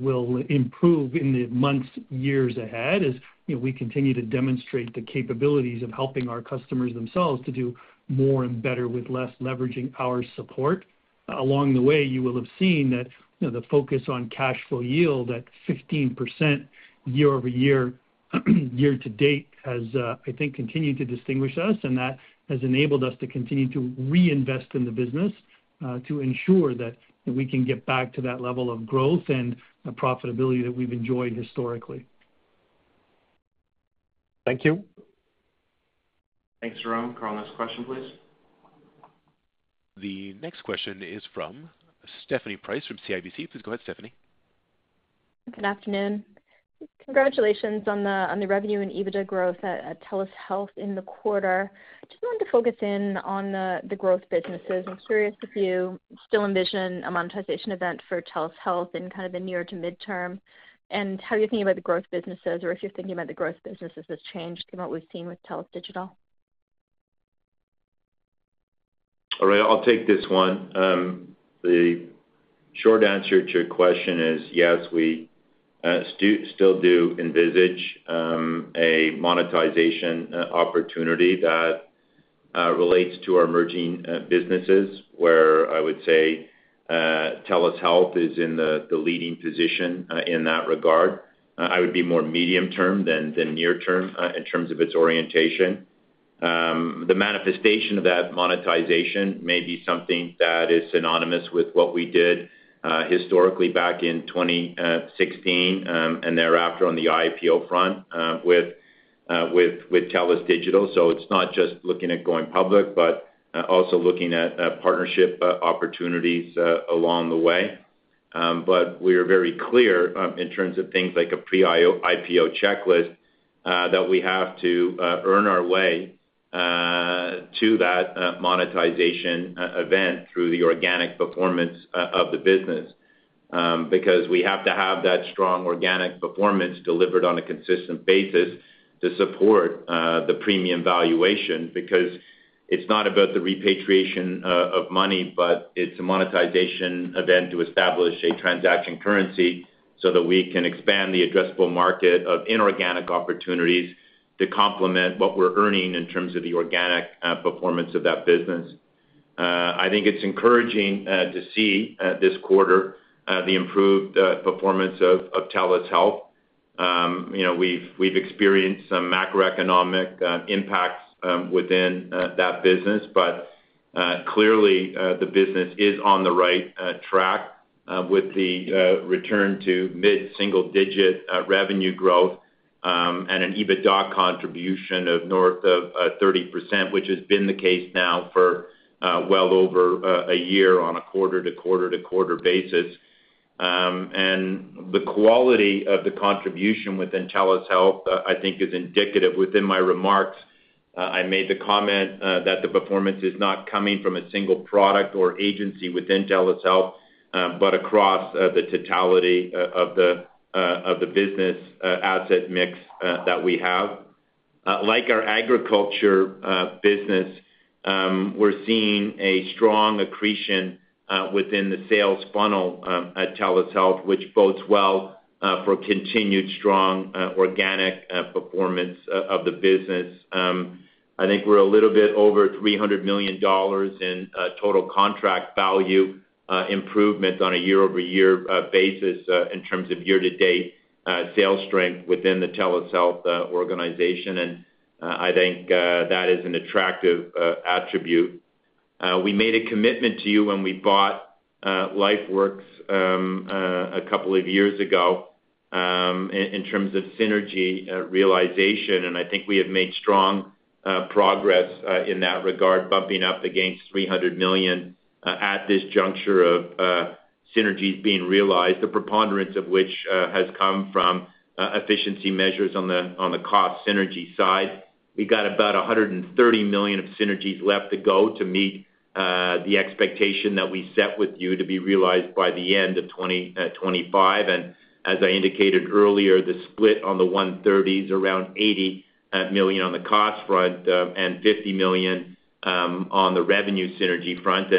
will improve in the months, years ahead as, you know, we continue to demonstrate the capabilities of helping our customers themselves to do more and better with less leveraging our support. Along the way, you will have seen that, you know, the focus on cash flow yield at 15% year-over-year, year to date, has, I think, continued to distinguish us, and that has enabled us to continue to reinvest in the business, to ensure that we can get back to that level of growth and the profitability that we've enjoyed historically. Thank you. Thanks, Jerome. Carl, next question, please. The next question is from Stephanie Price from CIBC. Please go ahead, Stephanie. Good afternoon. Congratulations on the revenue and EBITDA growth at TELUS Health in the quarter. Just wanted to focus in on the growth businesses. I'm curious if you still envision a monetization event for TELUS Health in kind of the near to midterm, and how you're thinking about the growth businesses, or if you're thinking about the growth businesses has changed from what we've seen with TELUS Digital? All right, I'll take this one. The short answer to your question is yes, we still do envisage a monetization opportunity that relates to our emerging businesses, where I would say TELUS Health is in the leading position in that regard. I would be more medium term than near term in terms of its orientation. The manifestation of that monetization may be something that is synonymous with what we did historically back in 2016 and thereafter on the IPO front with TELUS Digital. So it's not just looking at going public, but also looking at partnership opportunities along the way. But we are very clear in terms of things like a pre-IPO checklist that we have to earn our way to that monetization event through the organic performance of the business. Because we have to have that strong organic performance delivered on a consistent basis to support the premium valuation. Because it's not about the repatriation of money, but it's a monetization event to establish a transaction currency so that we can expand the addressable market of inorganic opportunities to complement what we're earning in terms of the organic performance of that business. I think it's encouraging to see this quarter the improved performance of TELUS Health. You know, we've experienced some macroeconomic impacts within that business. But clearly, the business is on the right track with the return to mid-single digit revenue growth, and an EBITDA contribution of north of 30%, which has been the case now for well over a year on a quarter to quarter to quarter basis. The quality of the contribution within TELUS Health, I think is indicative. Within my remarks, I made the comment that the performance is not coming from a single product or agency within TELUS Health, but across the totality of the business asset mix that we have. Like our agriculture business, we're seeing a strong accretion within the sales funnel at TELUS Health, which bodes well for continued strong organic performance of the business. I think we're a little bit over 300 million dollars in total contract value improvement on a year-over-year basis in terms of year-to-date sales strength within the TELUS Health organization. I think that is an attractive attribute. We made a commitment to you when we bought LifeWorks a couple of years ago in terms of synergy realization. I think we have made strong progress in that regard, bumping up against 300 million at this juncture of synergies being realized, the preponderance of which has come from efficiency measures on the cost synergy side. We've got about 130 million of synergies left to go to meet the expectation that we set with you to be realized by the end of 2025. As I indicated earlier, the split on the 130 million is around 80 million on the cost front and 50 million on the revenue synergy front.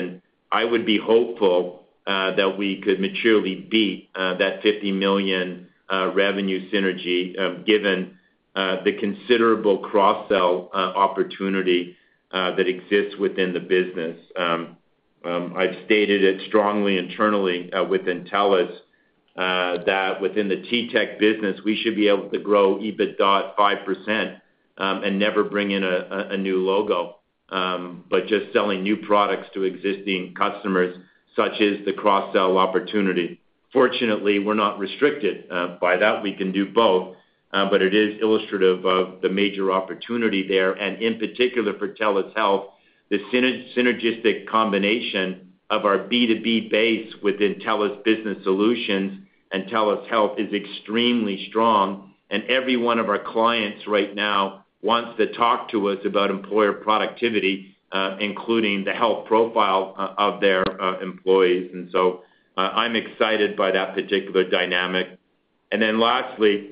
I would be hopeful that we could materially beat that 50 million revenue synergy given the considerable cross-sell opportunity that exists within the business. I've stated it strongly internally within TELUS that within the TTech business, we should be able to grow EBITDA 5% and never bring in a new logo but just selling new products to existing customers, such is the cross-sell opportunity. Fortunately, we're not restricted by that. We can do both, but it is illustrative of the major opportunity there, and in particular for TELUS Health, the synergistic combination of our B2B base within TELUS Business Solutions and TELUS Health is extremely strong, and every one of our clients right now wants to talk to us about employer productivity, including the health profile of their employees. And so, I'm excited by that particular dynamic. Lastly,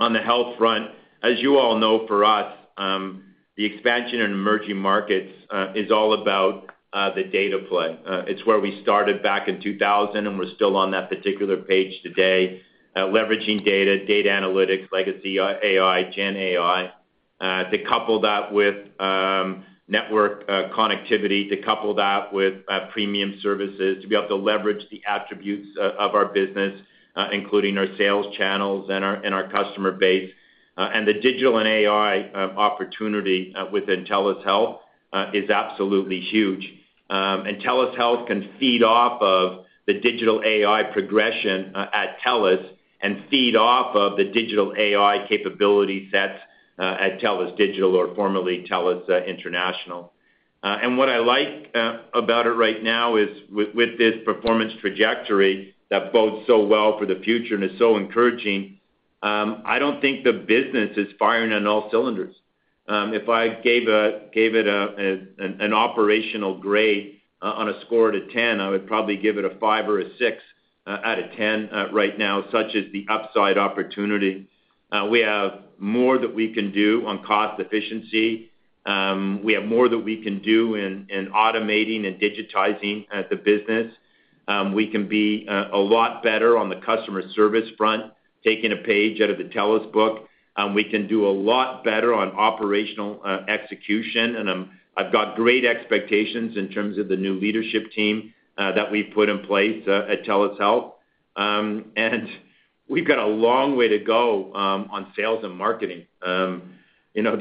on the health front, as you all know for us, the expansion in emerging markets is all about the data play. It's where we started back in 2000, and we're still on that particular page today. Leveraging data, data analytics, legacy, AI, GenAI, to couple that with, network, connectivity, to couple that with, premium services, to be able to leverage the attributes of our business, including our sales channels and our, and our customer base. And the digital and AI opportunity within TELUS Health is absolutely huge. And TELUS Health can feed off of the digital AI progression at TELUS and feed off of the digital AI capability sets at TELUS Digital, or formerly TELUS International. And what I like about it right now is with this performance trajectory that bodes so well for the future and is so encouraging, I don't think the business is firing on all cylinders. If I gave it an operational grade on a score out of 10, I would probably give it a 5 or a 6 out of 10 right now, such is the upside opportunity. We have more that we can do on cost efficiency. We have more that we can do in automating and digitizing the business. We can be a lot better on the customer service front, taking a page out of the TELUS book. We can do a lot better on operational execution, and I've got great expectations in terms of the new leadership team that we've put in place at TELUS Health. We've got a long way to go on sales and marketing. You know,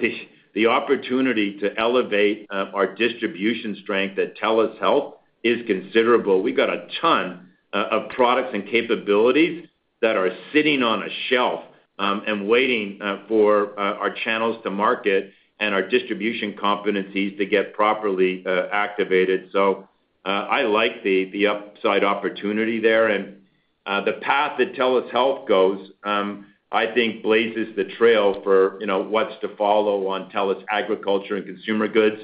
the opportunity to elevate our distribution strength at TELUS Health is considerable. We've got a ton of products and capabilities that are sitting on a shelf and waiting for our channels to market and our distribution competencies to get properly activated. So, I like the upside opportunity there. And the path that TELUS Health goes, I think blazes the trail for, you know, what's to follow on TELUS Agriculture and Consumer Goods,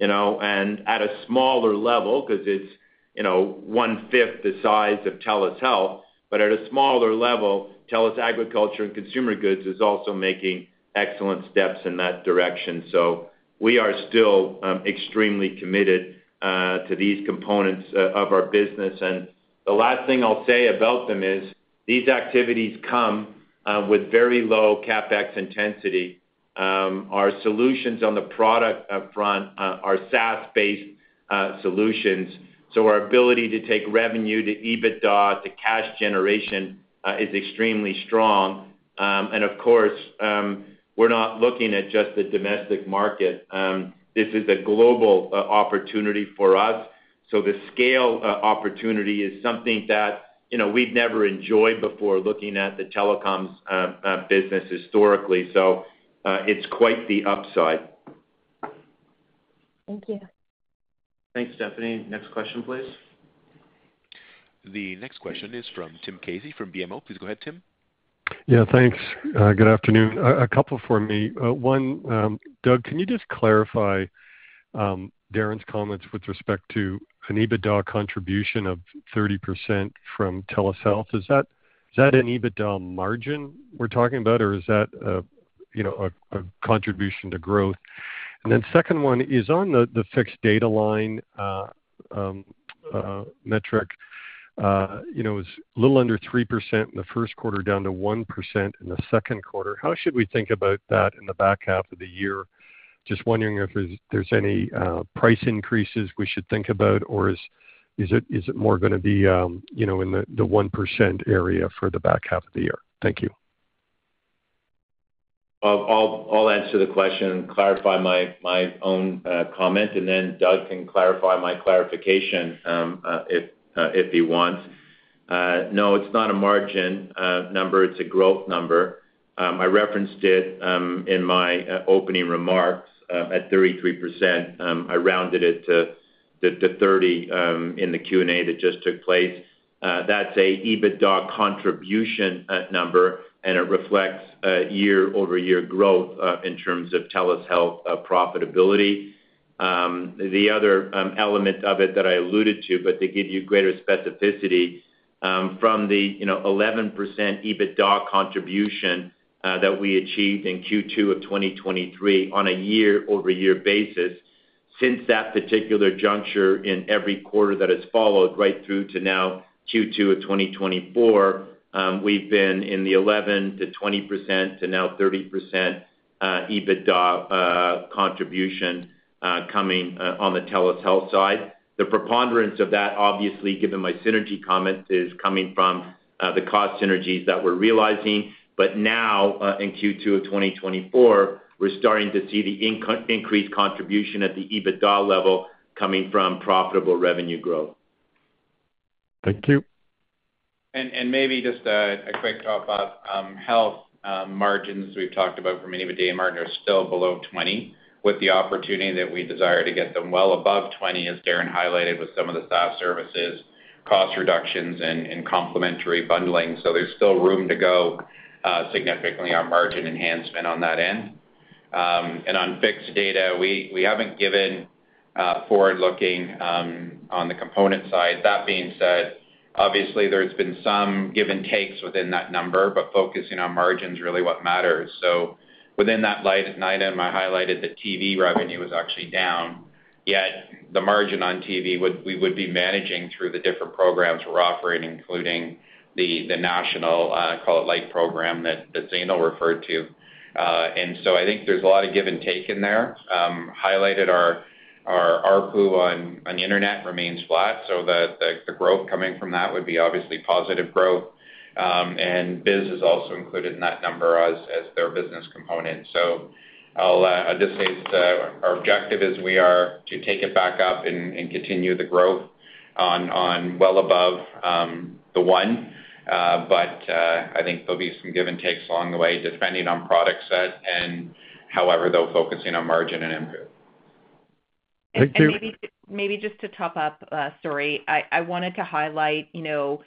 you know. And at a smaller level, because it's 1/5 the size of TELUS Health, but at a smaller level, TELUS Agriculture and Consumer Goods is also making excellent steps in that direction. So we are still extremely committed to these components of our business. And the last thing I'll say about them is, these activities come with very low CapEx intensity. Our solutions on the product up front are SaaS-based solutions, so our ability to take revenue to EBITDA, to cash generation is extremely strong. And of course, we're not looking at just the domestic market. This is a global opportunity for us, so the scale opportunity is something that, you know, we've never enjoyed before, looking at the telecoms business historically, so it's quite the upside. Thank you. Thanks, Stephanie. Next question, please. The next question is from Tim Casey from BMO. Please go ahead, Tim. Yeah, thanks. Good afternoon. A couple for me. One, Doug, can you just clarify, Darren's comments with respect to an EBITDA contribution of 30% from TELUS Health? Is that, is that an EBITDA margin we're talking about, or is that, you know, a contribution to growth? And then second one is on the fixed data line metric. You know, it was a little under 3% in the first quarter, down to 1% in the second quarter. How should we think about that in the back half of the year? Just wondering if there's any price increases we should think about, or is it more gonna be, you know, in the 1% area for the back half of the year? Thank you. I'll answer the question and clarify my own comment, and then Doug can clarify my clarification, if he wants. No, it's not a margin number, it's a growth number. I referenced it in my opening remarks at 33%. I rounded it to 30% in the Q&A that just took place. That's a EBITDA contribution number, and it reflects year-over-year growth in terms of TELUS Health profitability. The other element of it that I alluded to, but to give you greater specificity, from the, you know, 11% EBITDA contribution that we achieved in Q2 of 2023 on a year-over-year basis, since that particular juncture in every quarter that has followed, right through to now, Q2 of 2024, we've been in the 11%-20% to now 30% EBITDA contribution coming on the TELUS Health side. The preponderance of that, obviously, given my synergy comment, is coming from the cost synergies that we're realizing. But now, in Q2 of 2024, we're starting to see the increased contribution at the EBITDA level coming from profitable revenue growth. Thank you. Maybe just a quick top off. Health margins we've talked about for much of the day, margins are still below 20%, with the opportunity that we desire to get them well above 20%, as Darren highlighted, with some of the staff services cost reductions, and complementary bundling. So there's still room to go significantly on margin enhancement on that end. And on fixed data, we haven't given forward-looking on the component side. That being said, obviously there's been some give and take within that number, but focusing on margins really what matters. So within that line item, I highlighted that TV revenue was actually down, yet the margin on TV we would be managing through the different programs we're offering, including the national, call it light program that Zainul referred to. And so I think there's a lot of give and take in there. Highlighted our ARPU on the internet remains flat, so the growth coming from that would be obviously positive growth. And biz is also included in that number as their business component. So I'll just say it's our objective is we are to take it back up and continue the growth on well above the one. But I think there'll be some give and takes along the way, depending on product set and however they're focusing on margin and improve. Thank you. Maybe, maybe just to top up, sorry, I wanted to highlight, you know,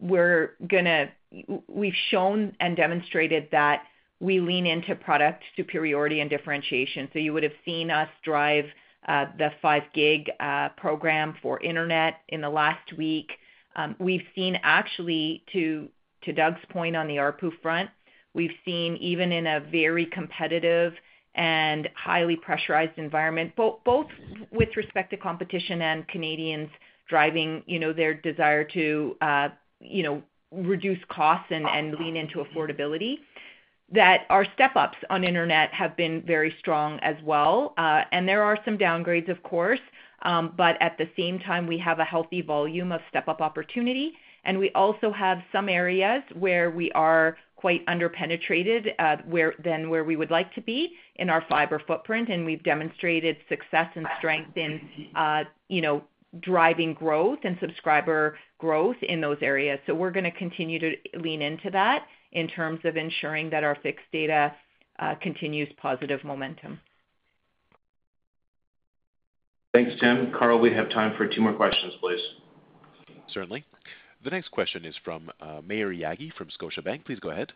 we've shown and demonstrated that we lean into product superiority and differentiation. So you would've seen us drive the 5G program for internet in the last week. We've seen actually, to Doug's point on the ARPU front, we've seen even in a very competitive and highly pressurized environment, both with respect to competition and Canadians driving, you know, their desire to, you know, reduce costs and lean into affordability, that our step-ups on internet have been very strong as well. And there are some downgrades, of course, but at the same time, we have a healthy volume of step-up opportunity, and we also have some areas where we are quite underpenetrated, where we would like to be in our fiber footprint, and we've demonstrated success and strength in, you know, driving growth and subscriber growth in those areas. So we're going to continue to lean into that in terms of ensuring that our fixed data continues positive momentum. Thanks, Tim. Carl, we have time for two more questions, please. Certainly. The next question is from Maher Yaghi, from Scotiabank. Please go ahead.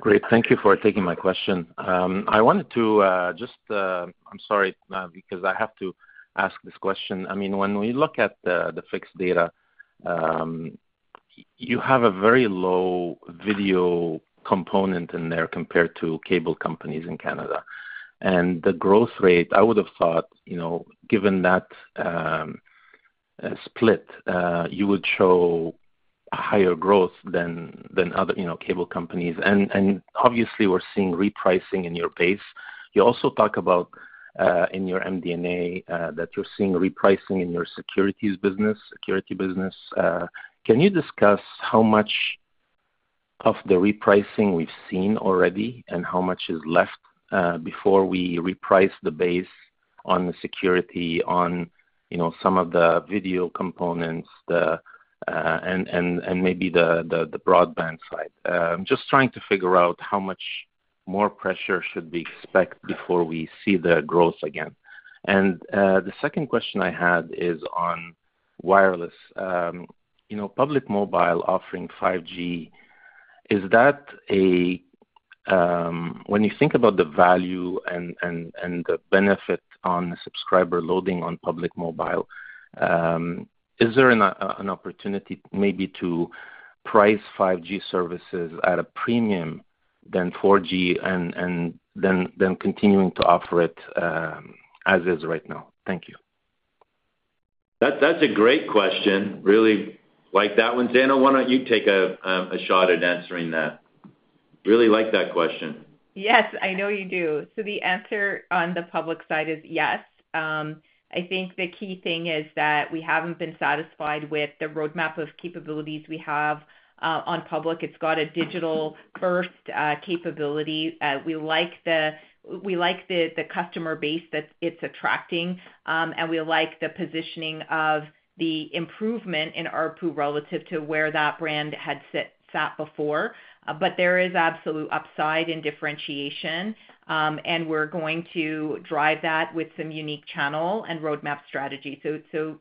Great. Thank you for taking my question. I wanted to just, I'm sorry, because I have to ask this question. I mean, when we look at the fixed data, you have a very low video component in there compared to cable companies in Canada. And the growth rate, I would have thought, you know, given that split, you would show higher growth than other cable companies. And obviously, we're seeing repricing in your base. You also talk about in your MD&A that you're seeing repricing in your security business. Can you discuss how much of the repricing we've seen already, and how much is left before we reprice the base on the security on, you know, some of the video components, and maybe the broadband side? I'm just trying to figure out how much more pressure should we expect before we see the growth again. The second question I had is on wireless. You know, Public Mobile offering 5G, is that, when you think about the value and the benefit on the subscriber loading on Public Mobile, is there an opportunity maybe to price 5G services at a premium than 4G and then continuing to offer it, as is right now? Thank you. That's, that's a great question. Really like that one. Dana, why don't you take a shot at answering that? Really like that question. Yes, I know you do. So the answer on the public side is yes. I think the key thing is that we haven't been satisfied with the roadmap of capabilities we have on public. It's got a digital-first capability. We like the customer base that it's attracting, and we like the positioning of the improvement in ARPU relative to where that brand had sat before. But there is absolute upside in differentiation, and we're going to drive that with some unique channel and roadmap strategy. So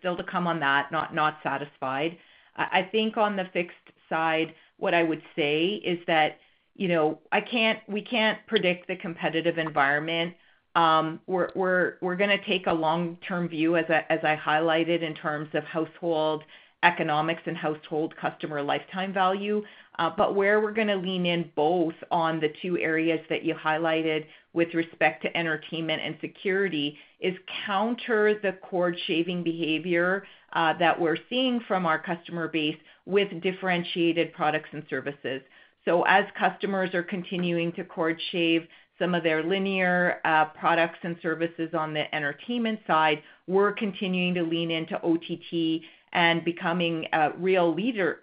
still to come on that, not satisfied. I think on the fixed side, what I would say is that, you know, I can't, we can't predict the competitive environment. We're going to take a long-term view, as I highlighted, in terms of household economics and household customer lifetime value. But where we're going to lean in both on the two areas that you highlighted with respect to entertainment and security, is counter the cord-shaving behavior that we're seeing from our customer base with differentiated products and services. So as customers are continuing to cord shave some of their linear products and services on the entertainment side, we're continuing to lean into OTT and becoming a real leader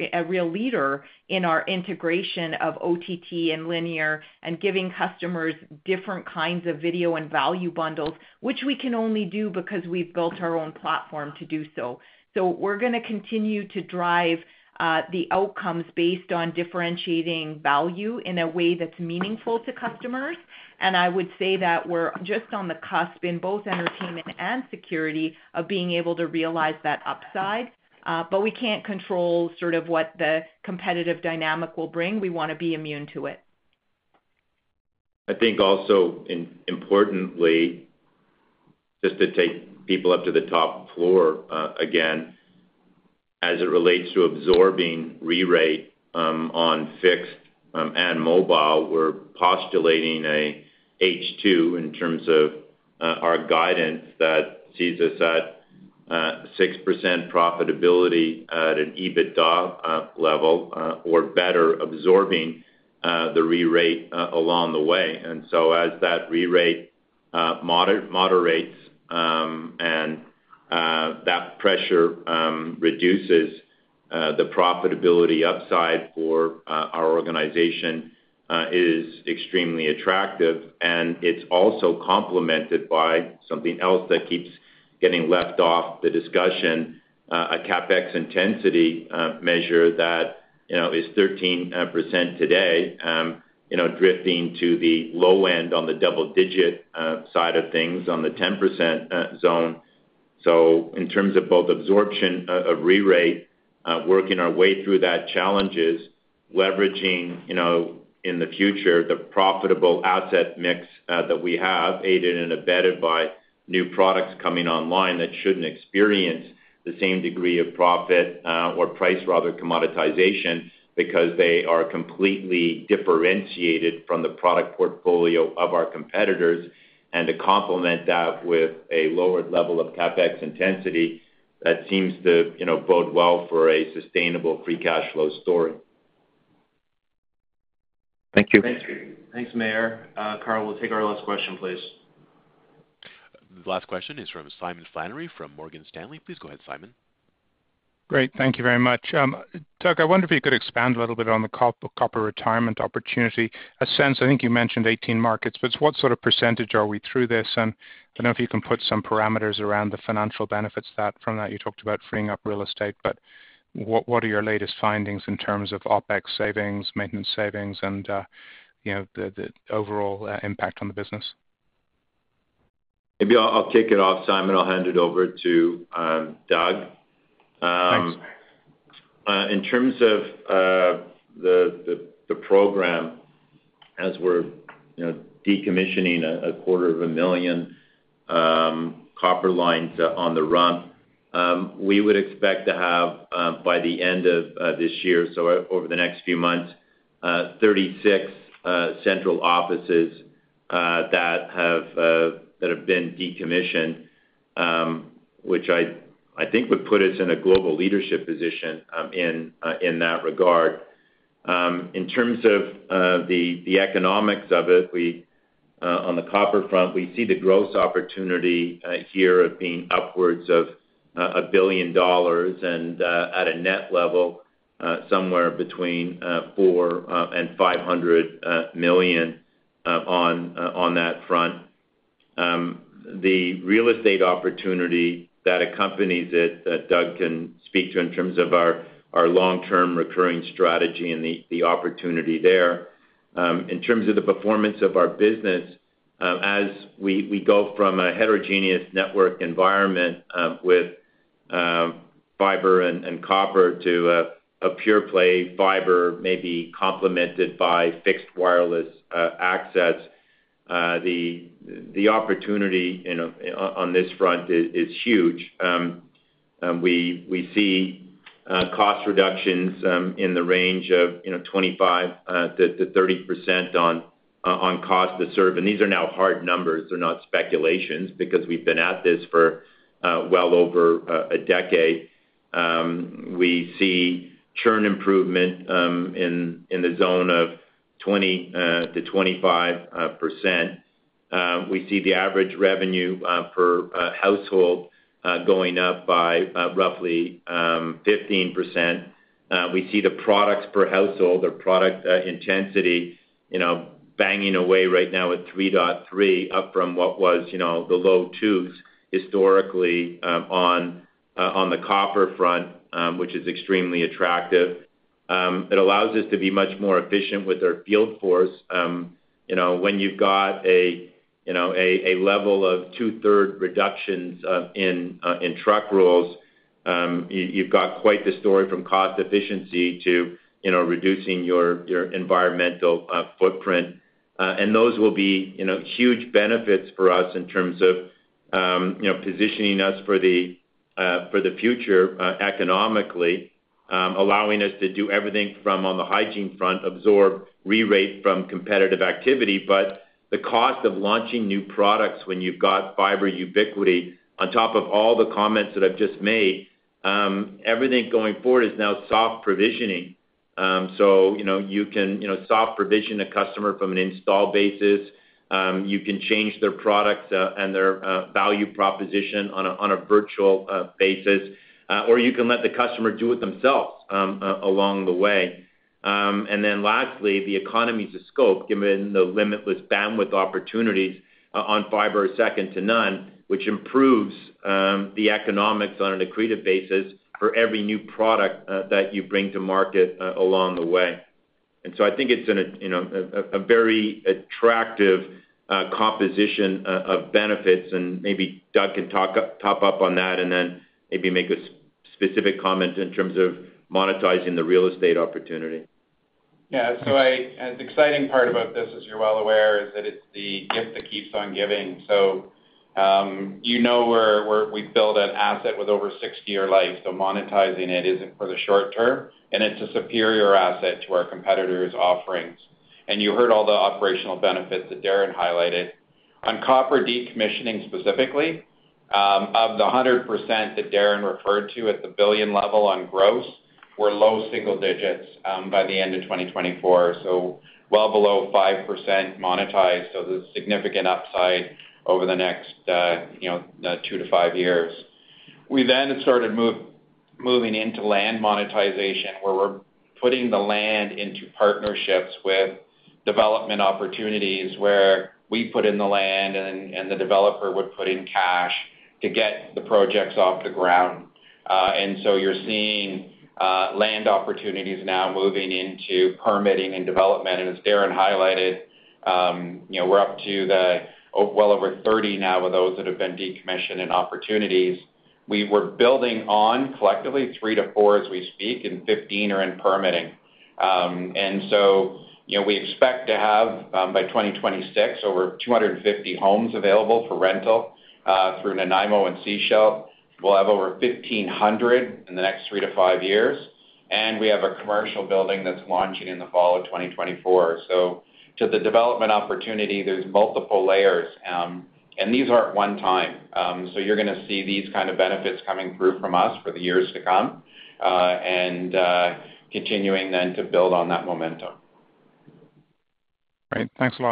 in our integration of OTT and linear, and giving customers different kinds of video and value bundles, which we can only do because we've built our own platform to do so. So we're going to continue to drive, the outcomes based on differentiating value in a way that's meaningful to customers. And I would say that we're just on the cusp in both entertainment and security of being able to realize that upside, but we can't control sort of what the competitive dynamic will bring. We want to be immune to it. I think also importantly, just to take people up to the top floor, again, as it relates to absorbing rerate, on fixed, and mobile, we're postulating a H2 in terms of, our guidance that sees us at 6% profitability at an EBITDA, level, or better absorbing, the rerate, along the way. And so as that rerate, moderates, and, that pressure, reduces, the profitability upside for, our organization, is extremely attractive, and it's also complemented by something else that keeps getting left off the discussion, a CapEx intensity, measure that, you know, is 13% today, you know, drifting to the low end on the double-digit, side of things, on the 10%, zone. So in terms of both absorption of rerate, working our way through that challenges, leveraging, you know, in the future, the profitable asset mix that we have, aided and abetted by new products coming online that shouldn't experience the same degree of profit or price, rather, commoditization, because they are completely differentiated from the product portfolio of our competitors. And to complement that with a lower level of CapEx intensity. That seems to, you know, bode well for a sustainable free cash flow story. Thank you. Thanks. Thanks, Maher. Carl, we'll take our last question, please. The last question is from Simon Flannery from Morgan Stanley. Please go ahead, Simon. Great. Thank you very much. Doug, I wonder if you could expand a little bit on the copper retirement opportunity. In a sense, I think you mentioned 18 markets, but what sort of percentage are we through this? And I don't know if you can put some parameters around the financial benefits that from that you talked about freeing up real estate, but what are your latest findings in terms of OpEx savings, maintenance savings, and, you know, the overall impact on the business? Maybe I'll kick it off, Simon. I'll hand it over to Doug. Thanks. In terms of the program, as we're, you know, decommissioning a quarter of a million copper lines on the run, we would expect to have, by the end of this year, so over the next few months, 36 central offices that have been decommissioned, which I think would put us in a global leadership position in that regard. In terms of the economics of it, on the copper front, we see the growth opportunity here of being upwards of 1 billion dollars, and at a net level, somewhere between 400 million and 500 million on that front. The real estate opportunity that accompanies it, that Doug can speak to in terms of our long-term recurring strategy and the opportunity there. In terms of the performance of our business, as we go from a heterogeneous network environment with fiber and copper to a pure play fiber, maybe complemented by fixed wireless access, the opportunity, you know, on this front is huge. We see cost reductions in the range of, you know, 25%-30% on cost to serve. And these are now hard numbers. They're not speculations, because we've been at this for well over a decade. We see churn improvement in the zone of 20%-25%. We see the average revenue per household going up by roughly 15%. We see the products per household, or product intensity, you know, banging away right now at 3.3, up from what was, you know, the low 2s historically, on the copper front, which is extremely attractive. It allows us to be much more efficient with our field force. When you've got a, you know, a level of 2/3 reductions in truck rolls, you, you've got quite the story from cost efficiency to, you know, reducing your, your environmental footprint. And those will be, you know, huge benefits for us in terms of, you know, positioning us for the future economically, allowing us to do everything from on the hygiene front, absorb rerate from competitive activity. But the cost of launching new products when you've got fiber ubiquity, on top of all the comments that I've just made, everything going forward is now soft provisioning. So, you know, you can, you know, soft provision a customer from an install basis, you can change their products and their value proposition on a virtual basis, or you can let the customer do it themselves along the way. And then lastly, the economies of scope, given the limitless bandwidth opportunities on fiber is second to none, which improves the economics on an accretive basis for every new product that you bring to market along the way. And so I think it's an, you know, a very attractive composition of benefits, and maybe Doug can top up on that, and then maybe make a specific comment in terms of monetizing the real estate opportunity. Yeah. The exciting part about this, as you're well aware, is that it's the gift that keeps on giving. So, you know we've built an asset with over 60-year life, so monetizing it isn't for the short term, and it's a superior asset to our competitors' offerings. You heard all the operational benefits that Darren highlighted. On copper decommissioning, specifically, of the 100% that Darren referred to at the 1 billion level on gross, we're low single digits by the end of 2024, so well below 5% monetized. So there's significant upside over the next 2-5 years. We then started moving into land monetization, where we're putting the land into partnerships with development opportunities, where we put in the land and, and the developer would put in cash to get the projects off the ground. You're seeing land opportunities now moving into permitting and development. As Darren highlighted, you know, we're up to well over 30 now, of those that have been decommissioned and opportunities. We were building on collectively 3-4 as we speak, and 15 are in permitting. And so, you know, we expect to have, by 2026, over 250 homes available for rental through Nanaimo and Sechelt. We'll have over 1,500 in the next 3-5 years, and we have a commercial building that's launching in the fall of 2024. So to the development opportunity, there's multiple layers, and these aren't one time. So you're gonna see these kind of benefits coming through from us for the years to come, and continuing then to build on that momentum. Great. Thanks a lot.